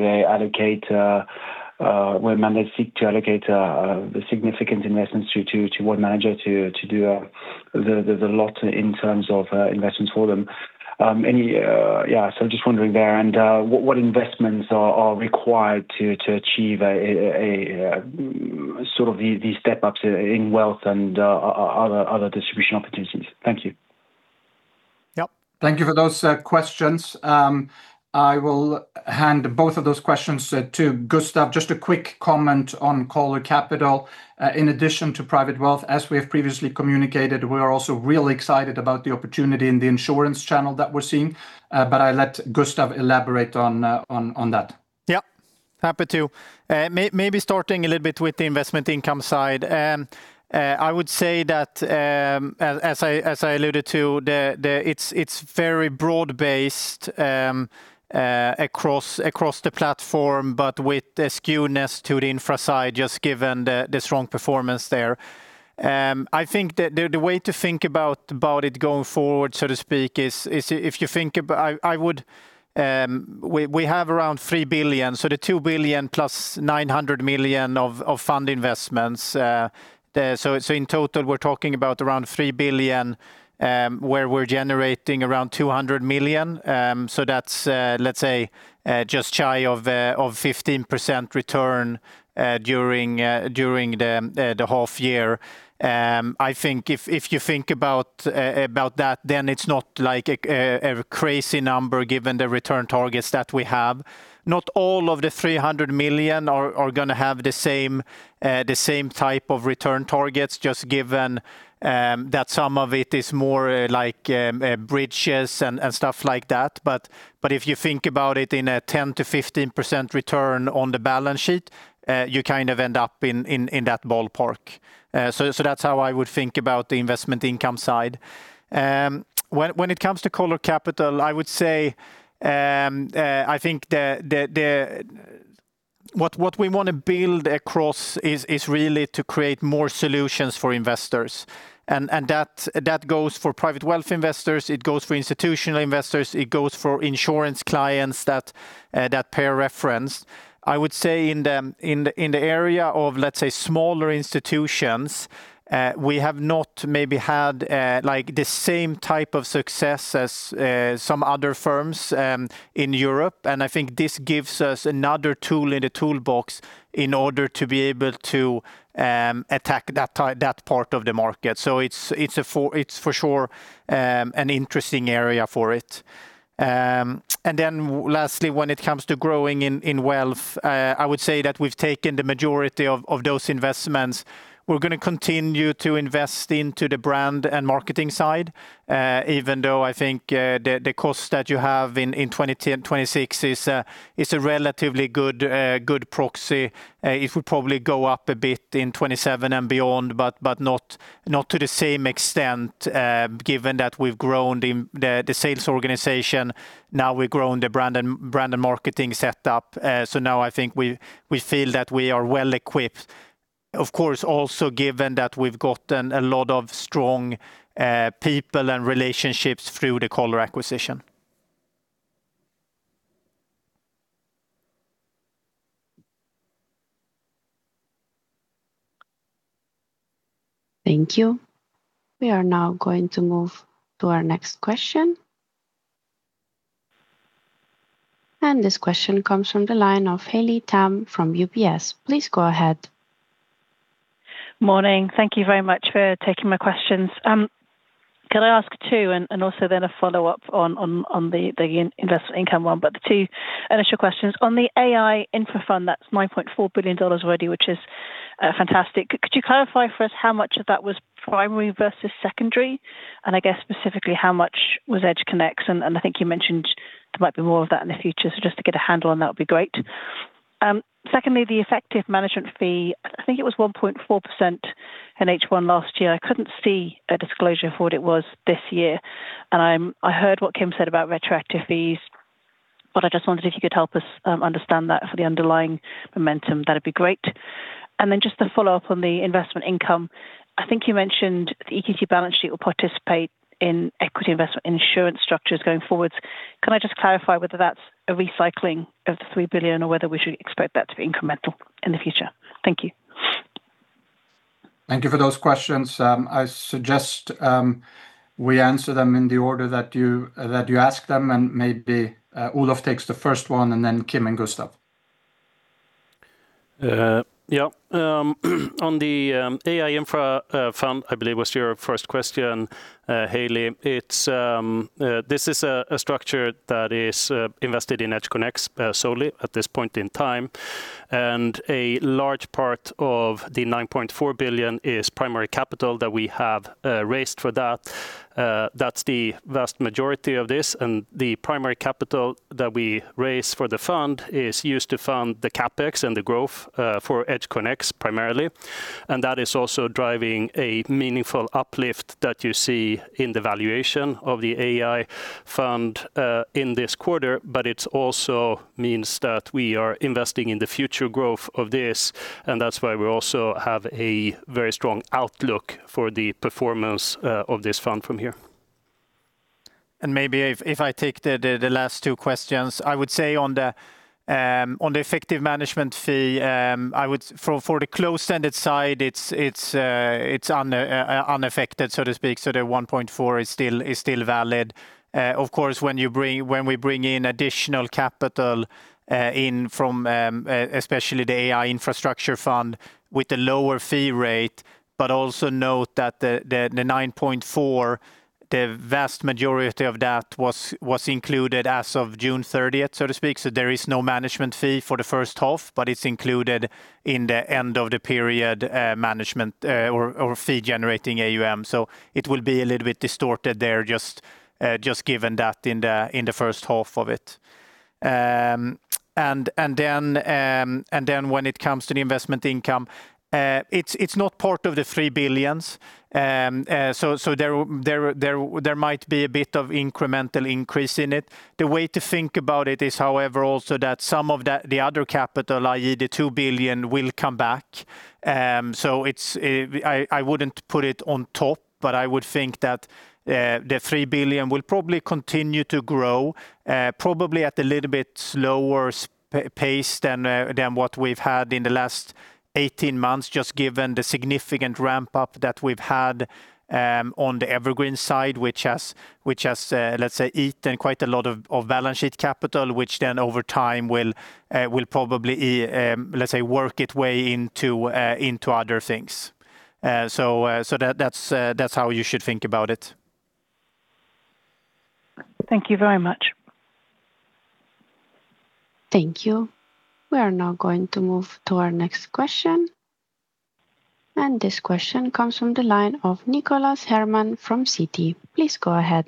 mandates seek to allocate the significant investments to one manager to do the lot in terms of investments for them? Just wondering there and what investments are required to achieve these step ups in wealth and other distribution opportunities. Thank you. Yep, thank you for those questions. I will hand both of those questions to Gustav. Just a quick comment on Coller Capital. In addition to private wealth, as we have previously communicated, we are also really excited about the opportunity in the insurance channel that we're seeing. I'll let Gustav elaborate on that. Yep, happy to. Maybe starting a little bit with the investment income side. I would say that, as I alluded to, it's very broad based across the platform, but with a skewness to the infra side, just given the strong performance there. I think that the way to think about it going forward, so to speak, is we have around 3 billion, so the 2 billion plus 900 million of fund investments. In total, we're talking about around 3 billion where we're generating around 200 million. That's, let's say, just shy of 15% return during the half year. I think if you think about that, then it's not a crazy number given the return targets that we have. Not all of the 300 million are going to have the same type of return targets, just given that some of it is more like bridges and stuff like that. If you think about it in a 10%-15% return on the balance sheet, you kind of end up in that ballpark. That's how I would think about the investment income side. When it comes to Coller Capital, I would say, I think what we want to build across is really to create more solutions for investors. That goes for private wealth investors, it goes for institutional investors, it goes for insurance clients that pay a reference. I would say in the area of, let's say, smaller institutions we have not maybe had the same type of success as some other firms in Europe, I think this gives us another tool in the toolbox in order to be able to attack that part of the market. It's for sure an interesting area for it. Lastly, when it comes to growing in wealth, I would say that we've taken the majority of those investments. We're going to continue to invest into the brand and marketing side, even though I think the cost that you have in 2026 is a relatively good proxy. It will probably go up a bit in 2027 and beyond, but not to the same extent given that we've grown the sales organization. Now we've grown the brand and marketing set up. Now I think we feel that we are well equipped. Of course, also given that we've gotten a lot of strong people and relationships through the Coller acquisition. Thank you. We are now going to move to our next question. This question comes from the line of Haley Tam from UBS. Please go ahead. Morning, thank you very much for taking my questions. Can I ask two and also then a follow-up on the investment income one. The two initial questions, on the AI Infrastructure fund, that's $9.4 billion already, which is fantastic. Could you clarify for us how much of that was primary versus secondary? I guess specifically how much was EdgeConneX? I think you mentioned there might be more of that in the future. Just to get a handle on that would be great. Secondly, the effective management fee, I think it was 1.4% in H1 last year. I couldn't see a disclosure for what it was this year. I heard what Kim said about retroactive fees, I just wondered if you could help us understand that for the underlying momentum? That would be great. Just to follow up on the investment income, I think you mentioned the EQT balance sheet will participate in equity investment insurance structures going forwards. Can I just clarify whether that's a recycling of the 3 billion or whether we should expect that to be incremental in the future? Thank you. Thank you for those questions. I suggest we answer them in the order that you asked them and maybe Olof takes the first one and then Kim and Gustav. Yeah. On the AI Infra Fund, I believe was your first question, Haley. This is a structure that is invested in EdgeConneX solely at this point in time. A large part of the 9.4 billion is primary capital that we have raised for that. That's the vast majority of this, and the primary capital that we raised for the fund is used to fund the CapEx and the growth for EdgeConneX primarily. That is also driving a meaningful uplift that you see in the valuation of the AI Fund in this quarter. It also means that we are investing in the future growth of this, and that's why we also have a very strong outlook for the performance of this fund from here. Maybe if I take the last two questions, I would say on the effective management fee, for the closed-ended side it's unaffected, so to speak. The 1.4 is still valid. When we bring in additional capital in from especially the AI Infrastructure Fund with the lower fee rate, but also note that the 9.4 billion, the vast majority of that was included as of June 30th, so to speak. There is no management fee for the first half, but it's included in the end of the period management or fee generating AUM. It will be a little bit distorted there just given that in the first half of it. When it comes to the investment income, it's not part of the 3 billion. There might be a bit of incremental increase in it. The way to think about it is however also that some of the other capital, i.e. the 2 billion will come back. I wouldn't put it on top, but I would think that the 3 billion will probably continue to grow probably at a little bit slower pace than what we've had in the last 18 months, just given the significant ramp-up that we've had on the evergreen side which has, let's say, eaten quite a lot of balance sheet capital which then over time will probably, let's say, work its way into other things. That's how you should think about it. Thank you very much. Thank you. We are now going to move to our next question. This question comes from the line of Nicholas Herman from Citi. Please go ahead.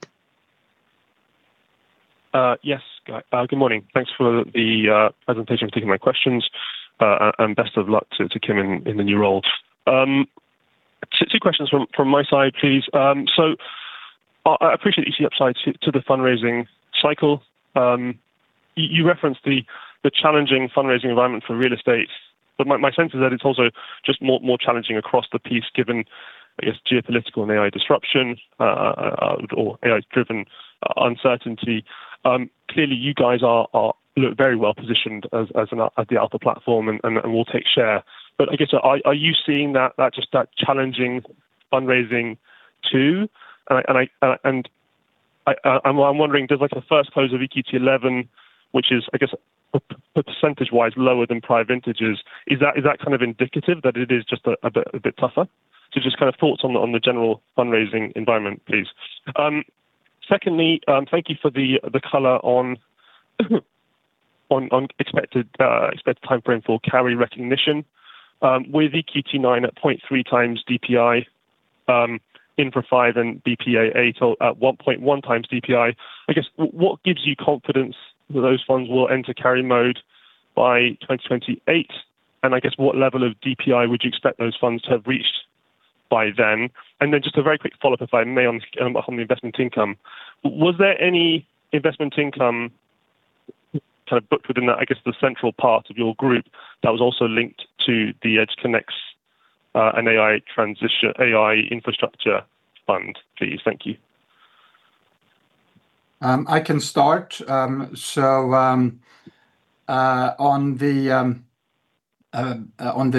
Yes. Good morning. Thanks for the presentation, for taking my questions, and best of luck to Kim in the new role. Two questions from my side, please. I appreciate you see upside to the fundraising cycle. You referenced the challenging fundraising environment for real estate. My sense is that it's also just more challenging across the piece given, I guess geopolitical and AI disruption or AI-driven uncertainty. Clearly you guys look very well positioned as the alpha platform and will take share. I guess are you seeing just that challenging fundraising too? I'm wondering does the first close of EQT XI which is I guess percentage-wise lower than prior vintages, is that kind of indicative that it is just a bit tougher? Just kind of thoughts on the general fundraising environment, please. Secondly, thank you for the color on expected timeframe for carry recognition. With EQT IX at 0.3x DPI, Infra V and BPEA VIII at 1.1x DPI, I guess what gives you confidence that those funds will enter carry mode by 2028? I guess what level of DPI would you expect those funds to have reached by then? Just a very quick follow-up if I may on the investment income. Was there any investment income, kind of booked within that, I guess the central part of your group that was also linked to the EdgeConneX, and AI infrastructure fund, please. Thank you. I can start. On the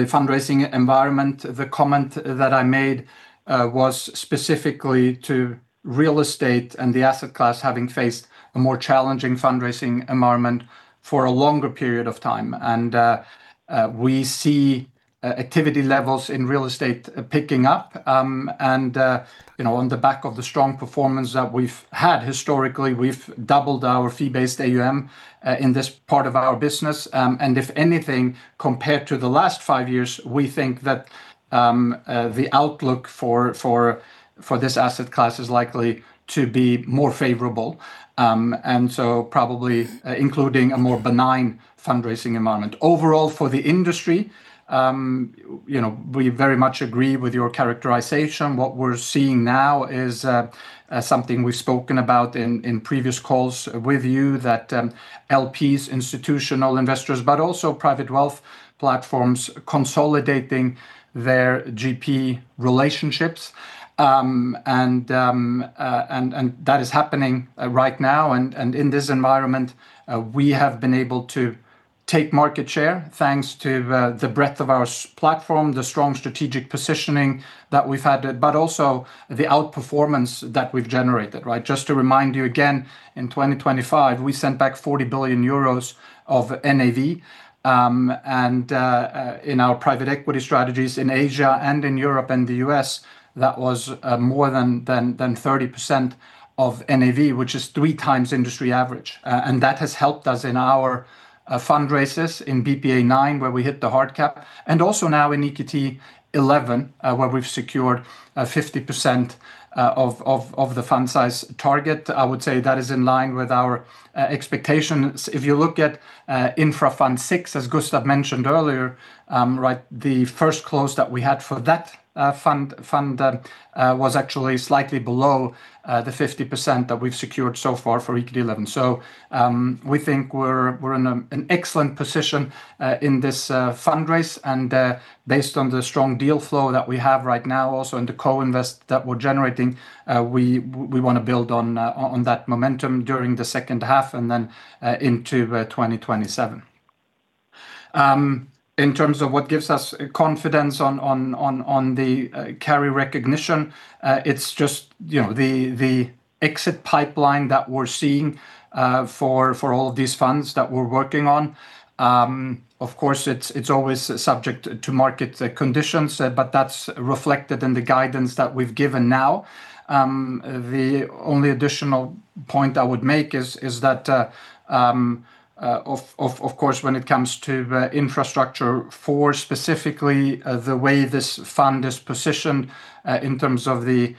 fundraising environment, the comment that I made was specifically to real estate and the asset class having faced a more challenging fundraising environment for a longer period of time. We see activity levels in real estate picking up, and on the back of the strong performance that we've had historically, we've doubled our fee-based AUM in this part of our business. If anything, compared to the last five years, we think that the outlook for this asset class is likely to be more favorable. Probably including a more benign fundraising environment. Overall for the industry, we very much agree with your characterization. What we're seeing now is something we've spoken about in previous calls with you that LPs, institutional investors, but also private wealth platforms consolidating their GP relationships. That is happening right now. In this environment, we have been able to take market share thanks to the breadth of our platform, the strong strategic positioning that we've had, but also the outperformance that we've generated. Just to remind you again, in 2025, we sent back 40 billion euros of NAV. In our private equity strategies in Asia and in Europe and the U.S., that was more than 30% of NAV, which is three times industry average. That has helped us in our fundraisers in BPEA IX, where we hit the hard cap, and also now in EQT XI, where we've secured 50% of the fund size target, I would say that is in line with our expectations. If you look at Infra Fund VI, as Gustav mentioned earlier, the first close that we had for that fund was actually slightly below the 50% that we've secured so far for EQT XI. We think we're in an excellent position in this fundraise and based on the strong deal flow that we have right now also in the co-invest that we're generating, we want to build on that momentum during the second half and then into 2027. In terms of what gives us confidence on the carry recognition, it's just the exit pipeline that we're seeing for all of these funds that we're working on. Of course, it's always subject to market conditions, but that's reflected in the guidance that we've given now. The only additional point I would make is that of course, when it comes to Infrastructure IV specifically, the way this fund is positioned in terms of the EQT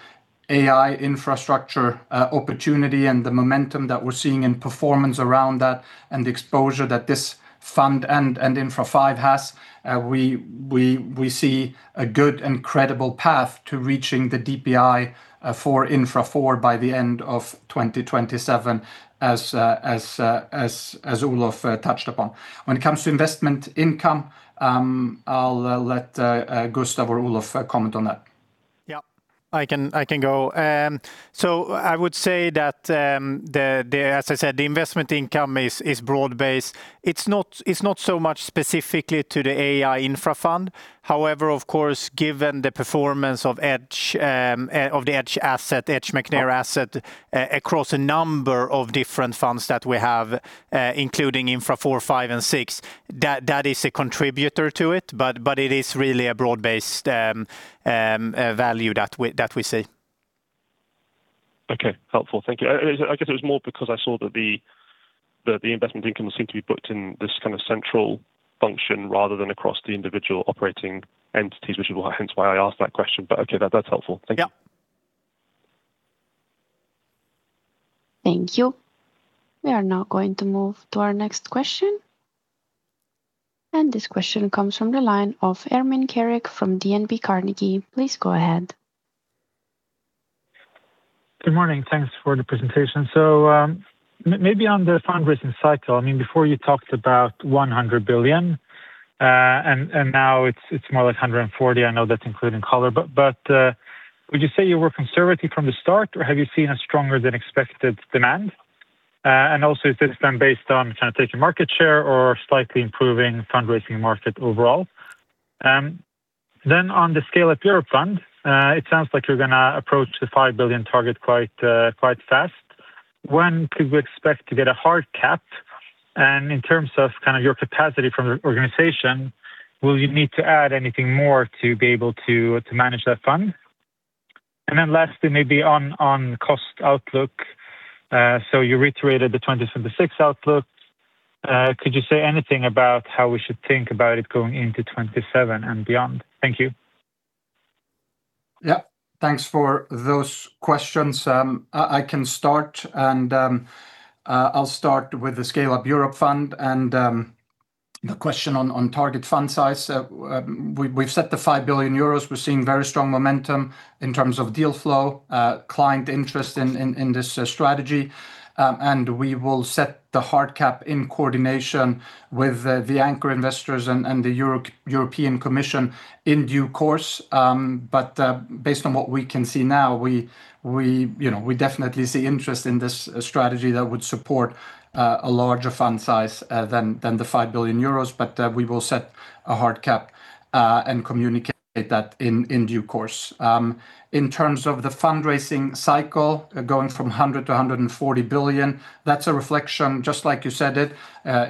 AI Infrastructure opportunity and the momentum that we're seeing in performance around that and the exposure that this fund and Infra V has, we see a good and credible path to reaching the DPI for Infra IV by the end of 2027 as Olof touched upon. When it comes to investment income, I'll let Gustav or Olof comment on that. Yeah, I can go. I would say that as I said, the investment income is broad based. It's not so much specifically to the AI Infra Fund. However, of course, given the performance of the EdgeConneX asset across a number of different funds that we have including Infra IV, V, and VI, that is a contributor to it, but it is really a broad-based value that we see. Okay. Helpful, thank you. I guess it was more because I saw that the investment income seemed to be booked in this kind of central function rather than across the individual operating entities, hence why I asked that question, but okay, that's helpful. Thank you. Yeah. Thank you. We are now going to move to our next question. This question comes from the line of Ermin Keric from DNB Carnegie. Please go ahead. Good morning, thanks for the presentation. Maybe on the fundraising cycle, before you talked about 100 billion, now it's more like 140 billion. I know that's including Coller, but would you say you were conservative from the start or have you seen a stronger than expected demand? Is this then based on kind of taking market share or slightly improving fundraising market overall? On the Scaleup Europe Fund, it sounds like you're going to approach the 5 billion target quite fast. When could we expect to get a hard cap? In terms of kind of your capacity from your organization, will you need to add anything more to be able to manage that fund? Lastly, maybe on cost outlook, you reiterated the 2026 outlook. Could you say anything about how we should think about it going into 2027 and beyond? Thank you. Yeah, thanks for those questions. I can start and I'll start with the Scaleup Europe Fund and the question on target fund size. We've set the 5 billion euros. We're seeing very strong momentum in terms of deal flow, client interest in this strategy, and we will set the hard cap in coordination with the anchor investors and the European Commission in due course. Based on what we can see now, we definitely see interest in this strategy that would support a larger fund size than the 5 billion euros. We will set a hard cap and communicate that in due course. In terms of the fundraising cycle going from 100 billion to 140 billion, that's a reflection, just like you said it,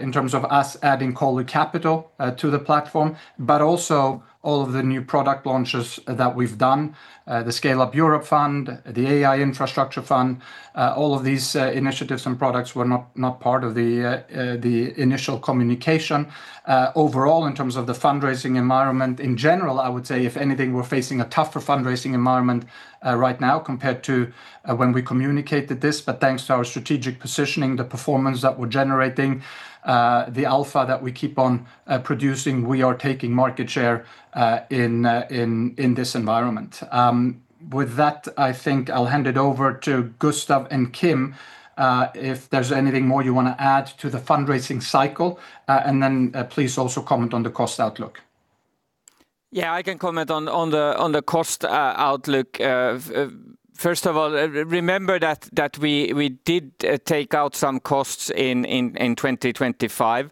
in terms of us adding Coller Capital to the platform, but also all of the new product launches that we've done, the Scaleup Europe Fund, the AI Infrastructure Fund, all of these initiatives and products were not part of the initial communication. Overall, in terms of the fundraising environment in general, I would say, if anything, we're facing a tougher fundraising environment right now compared to when we communicated this. Thanks to our strategic positioning, the performance that we're generating, the alpha that we keep on producing, we are taking market share in this environment. With that, I think I'll hand it over to Gustav and Kim. If there's anything more you want to add to the fundraising cycle, and then please also comment on the cost outlook. Yeah, I can comment on the cost outlook. First of all, remember that we did take out some costs in 2025.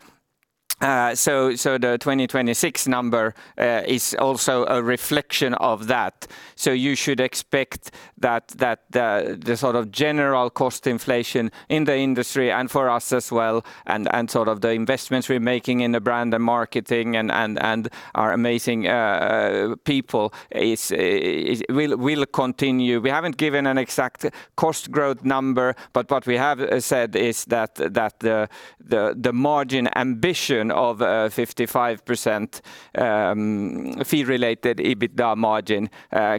The 2026 number is also a reflection of that. You should expect that the general cost inflation in the industry and for us as well, and the investments we're making in the brand and marketing and our amazing people will continue. We haven't given an exact cost growth number, but what we have said is that the margin ambition of 55% fee-related EBITDA margin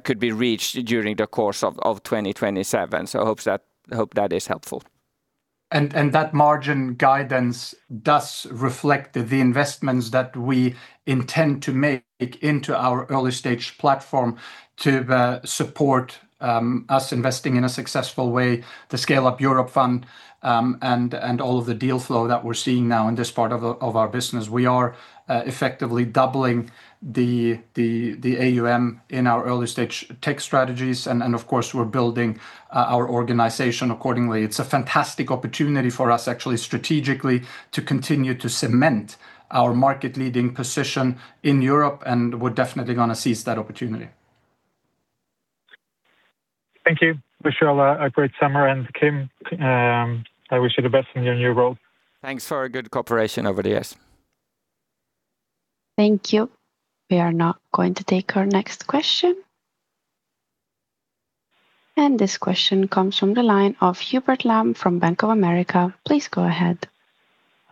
could be reached during the course of 2027. Hope that is helpful. That margin guidance does reflect the investments that we intend to make into our early-stage platform to support us investing in a successful way to Scaleup Europe Fund, and all of the deal flow that we're seeing now in this part of our business. We are effectively doubling the AUM in our early stage tech strategies, and of course, we're building our organization accordingly. It's a fantastic opportunity for us actually strategically to continue to cement our market leading position in Europe, and we're definitely going to seize that opportunity. Thank you. Wish you all a great summer, and Kim, I wish you the best in your new role. Thanks for a good cooperation over the years. Thank you. We are now going to take our next question. This question comes from the line of Hubert Lam from Bank of America. Please go ahead.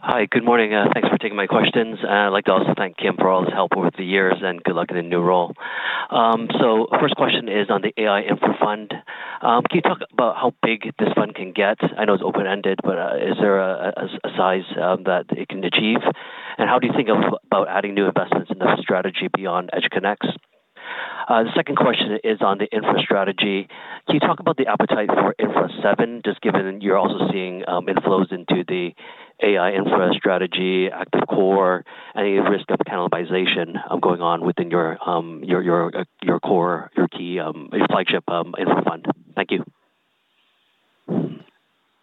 Hi. Good morning, and thanks for taking my questions. I’d like to also thank Kim for all his help over the years, and good luck in the new role. First question is on the AI Infra Fund. Can you talk about how big this fund can get? I know it’s open-ended, but is there a size that it can achieve? How do you think about adding new investments in this strategy beyond EdgeConneX? The second question is on the Infra strategy. Can you talk about the appetite for Infra VII, just given you’re also seeing inflows into the AI Infra strategy, Active Core, any risk of cannibalization going on within your core, your key flagship infra fund? Thank you.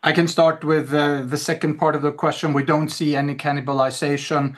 I can start with the second part of the question. We don't see any cannibalization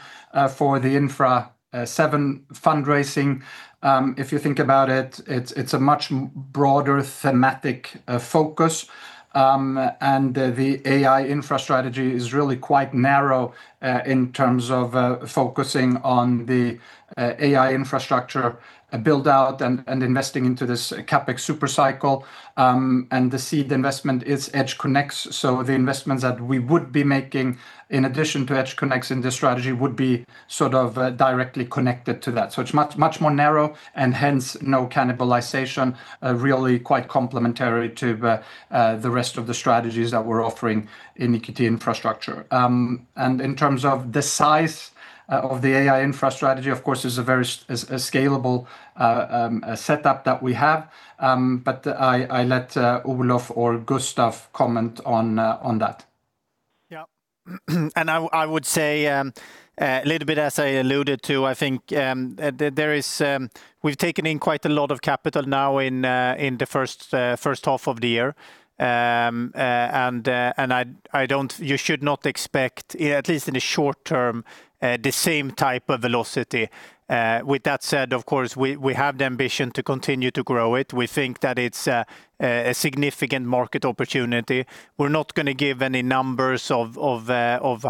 for the Infra VII fundraising. If you think about it's a much broader thematic focus. The AI infra strategy is really quite narrow in terms of focusing on the AI infrastructure build out and investing into this CapEx super cycle. The seed investment is EdgeConneX. The investments that we would be making in addition to EdgeConneX in this strategy would be directly connected to that. It's much more narrow and hence no cannibalization, really quite complementary to the rest of the strategies that we're offering in EQT Infrastructure. In terms of the size of the AI infra strategy, of course, it's a very scalable setup that we have. I'll let Olof or Gustav comment on that. Yeah. I would say a little bit, as I alluded to, I think we've taken in quite a lot of capital now in the first half of the year. You should not expect, at least in the short term, the same type of velocity. With that said, of course, we have the ambition to continue to grow it. We think that it's a significant market opportunity. We're not going to give any numbers of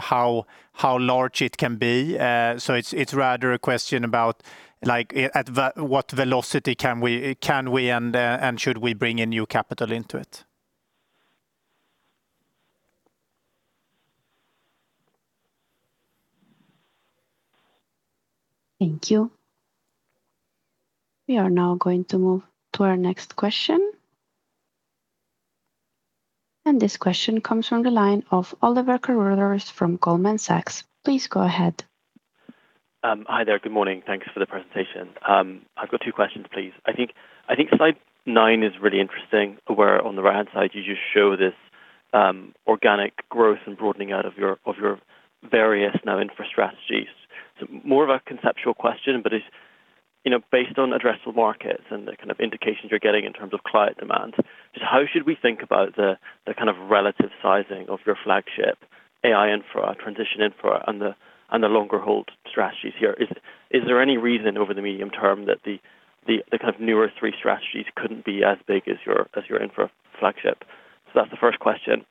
how large it can be. It's rather a question about at what velocity can we and should we bring in new capital into it. Thank you. We are now going to move to our next question This question comes from the line of Oliver Carruthers from Goldman Sachs. Please go ahead. Hi there. Good morning, thanks for the presentation. I've got two questions, please. I think slide nine is really interesting where on the right-hand side you just show this organic growth and broadening out of your various infra strategies. More of a conceptual question, but based on addressable markets and the kind of indications you're getting in terms of client demand, just how should we think about the kind of relative sizing of your flagship AI infra, transition infra, and the longer hold strategies here? Is there any reason over the medium term that the kind of newer three strategies couldn't be as big as your infra flagship? That's the first question.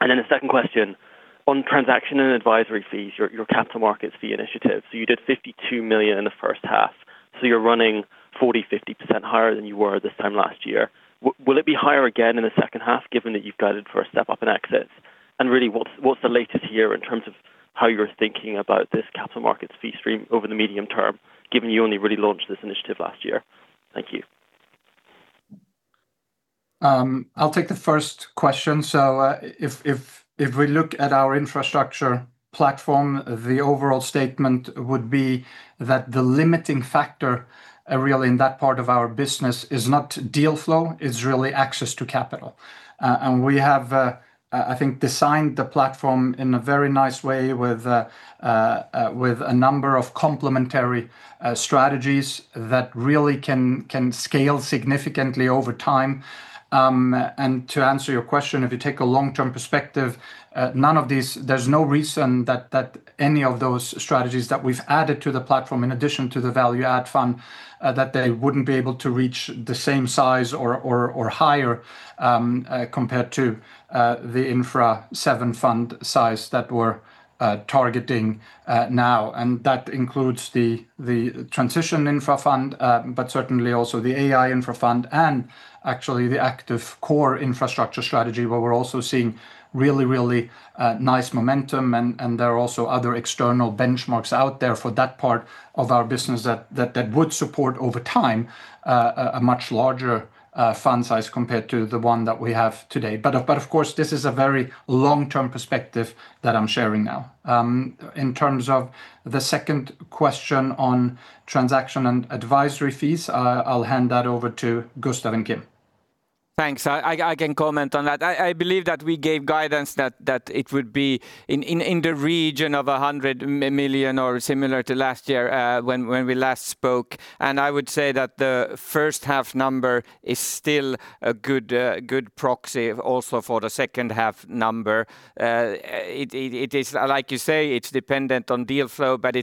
The second question, on transaction and advisory fees, your capital markets fee initiative. You did 52 million in the first half, so you're running 40%-50% higher than you were this time last year. Will it be higher again in the second half, given that you've guided for a step up in exits? Really, what's the latest here in terms of how you're thinking about this capital markets fee stream over the medium term, given you only really launched this initiative last year? Thank you. I'll take the first question. If we look at our infrastructure platform, the overall statement would be that the limiting factor really in that part of our business is not deal flow, it's really access to capital. We have I think designed the platform in a very nice way with a number of complementary strategies that really can scale significantly over time. To answer your question, if you take a long-term perspective, there's no reason that any of those strategies that we've added to the platform, in addition to the value add fund, that they wouldn't be able to reach the same size or higher compared to the Infra VII fund size that we're targeting now. That includes the transition infra fund but certainly also the AI infra fund and actually the active core infrastructure strategy where we're also seeing really nice momentum and there are also other external benchmarks out there for that part of our business that would support over time a much larger fund size compared to the one that we have today. Of course, this is a very long-term perspective that I'm sharing now. In terms of the second question on transaction and advisory fees, I'll hand that over to Gustav and Kim. Thanks, I can comment on that. I believe that we gave guidance that it would be in the region of 100 million or similar to last year when we last spoke. I would say that the first half number is still a good proxy also for the second half number. Like you say, it's dependent on deal flow, but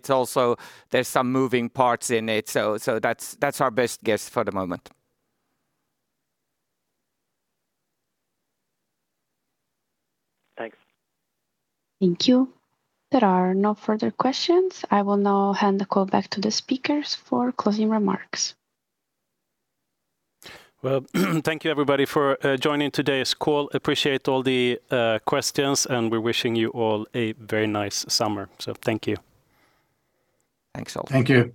there's some moving parts in it. That's our best guess for the moment. Thanks. Thank you. There are no further questions. I will now hand the call back to the speakers for closing remarks. Well thank you everybody for joining today's call. Appreciate all the questions, and we're wishing you all a very nice summer. Thank you. Thanks all. Thank you.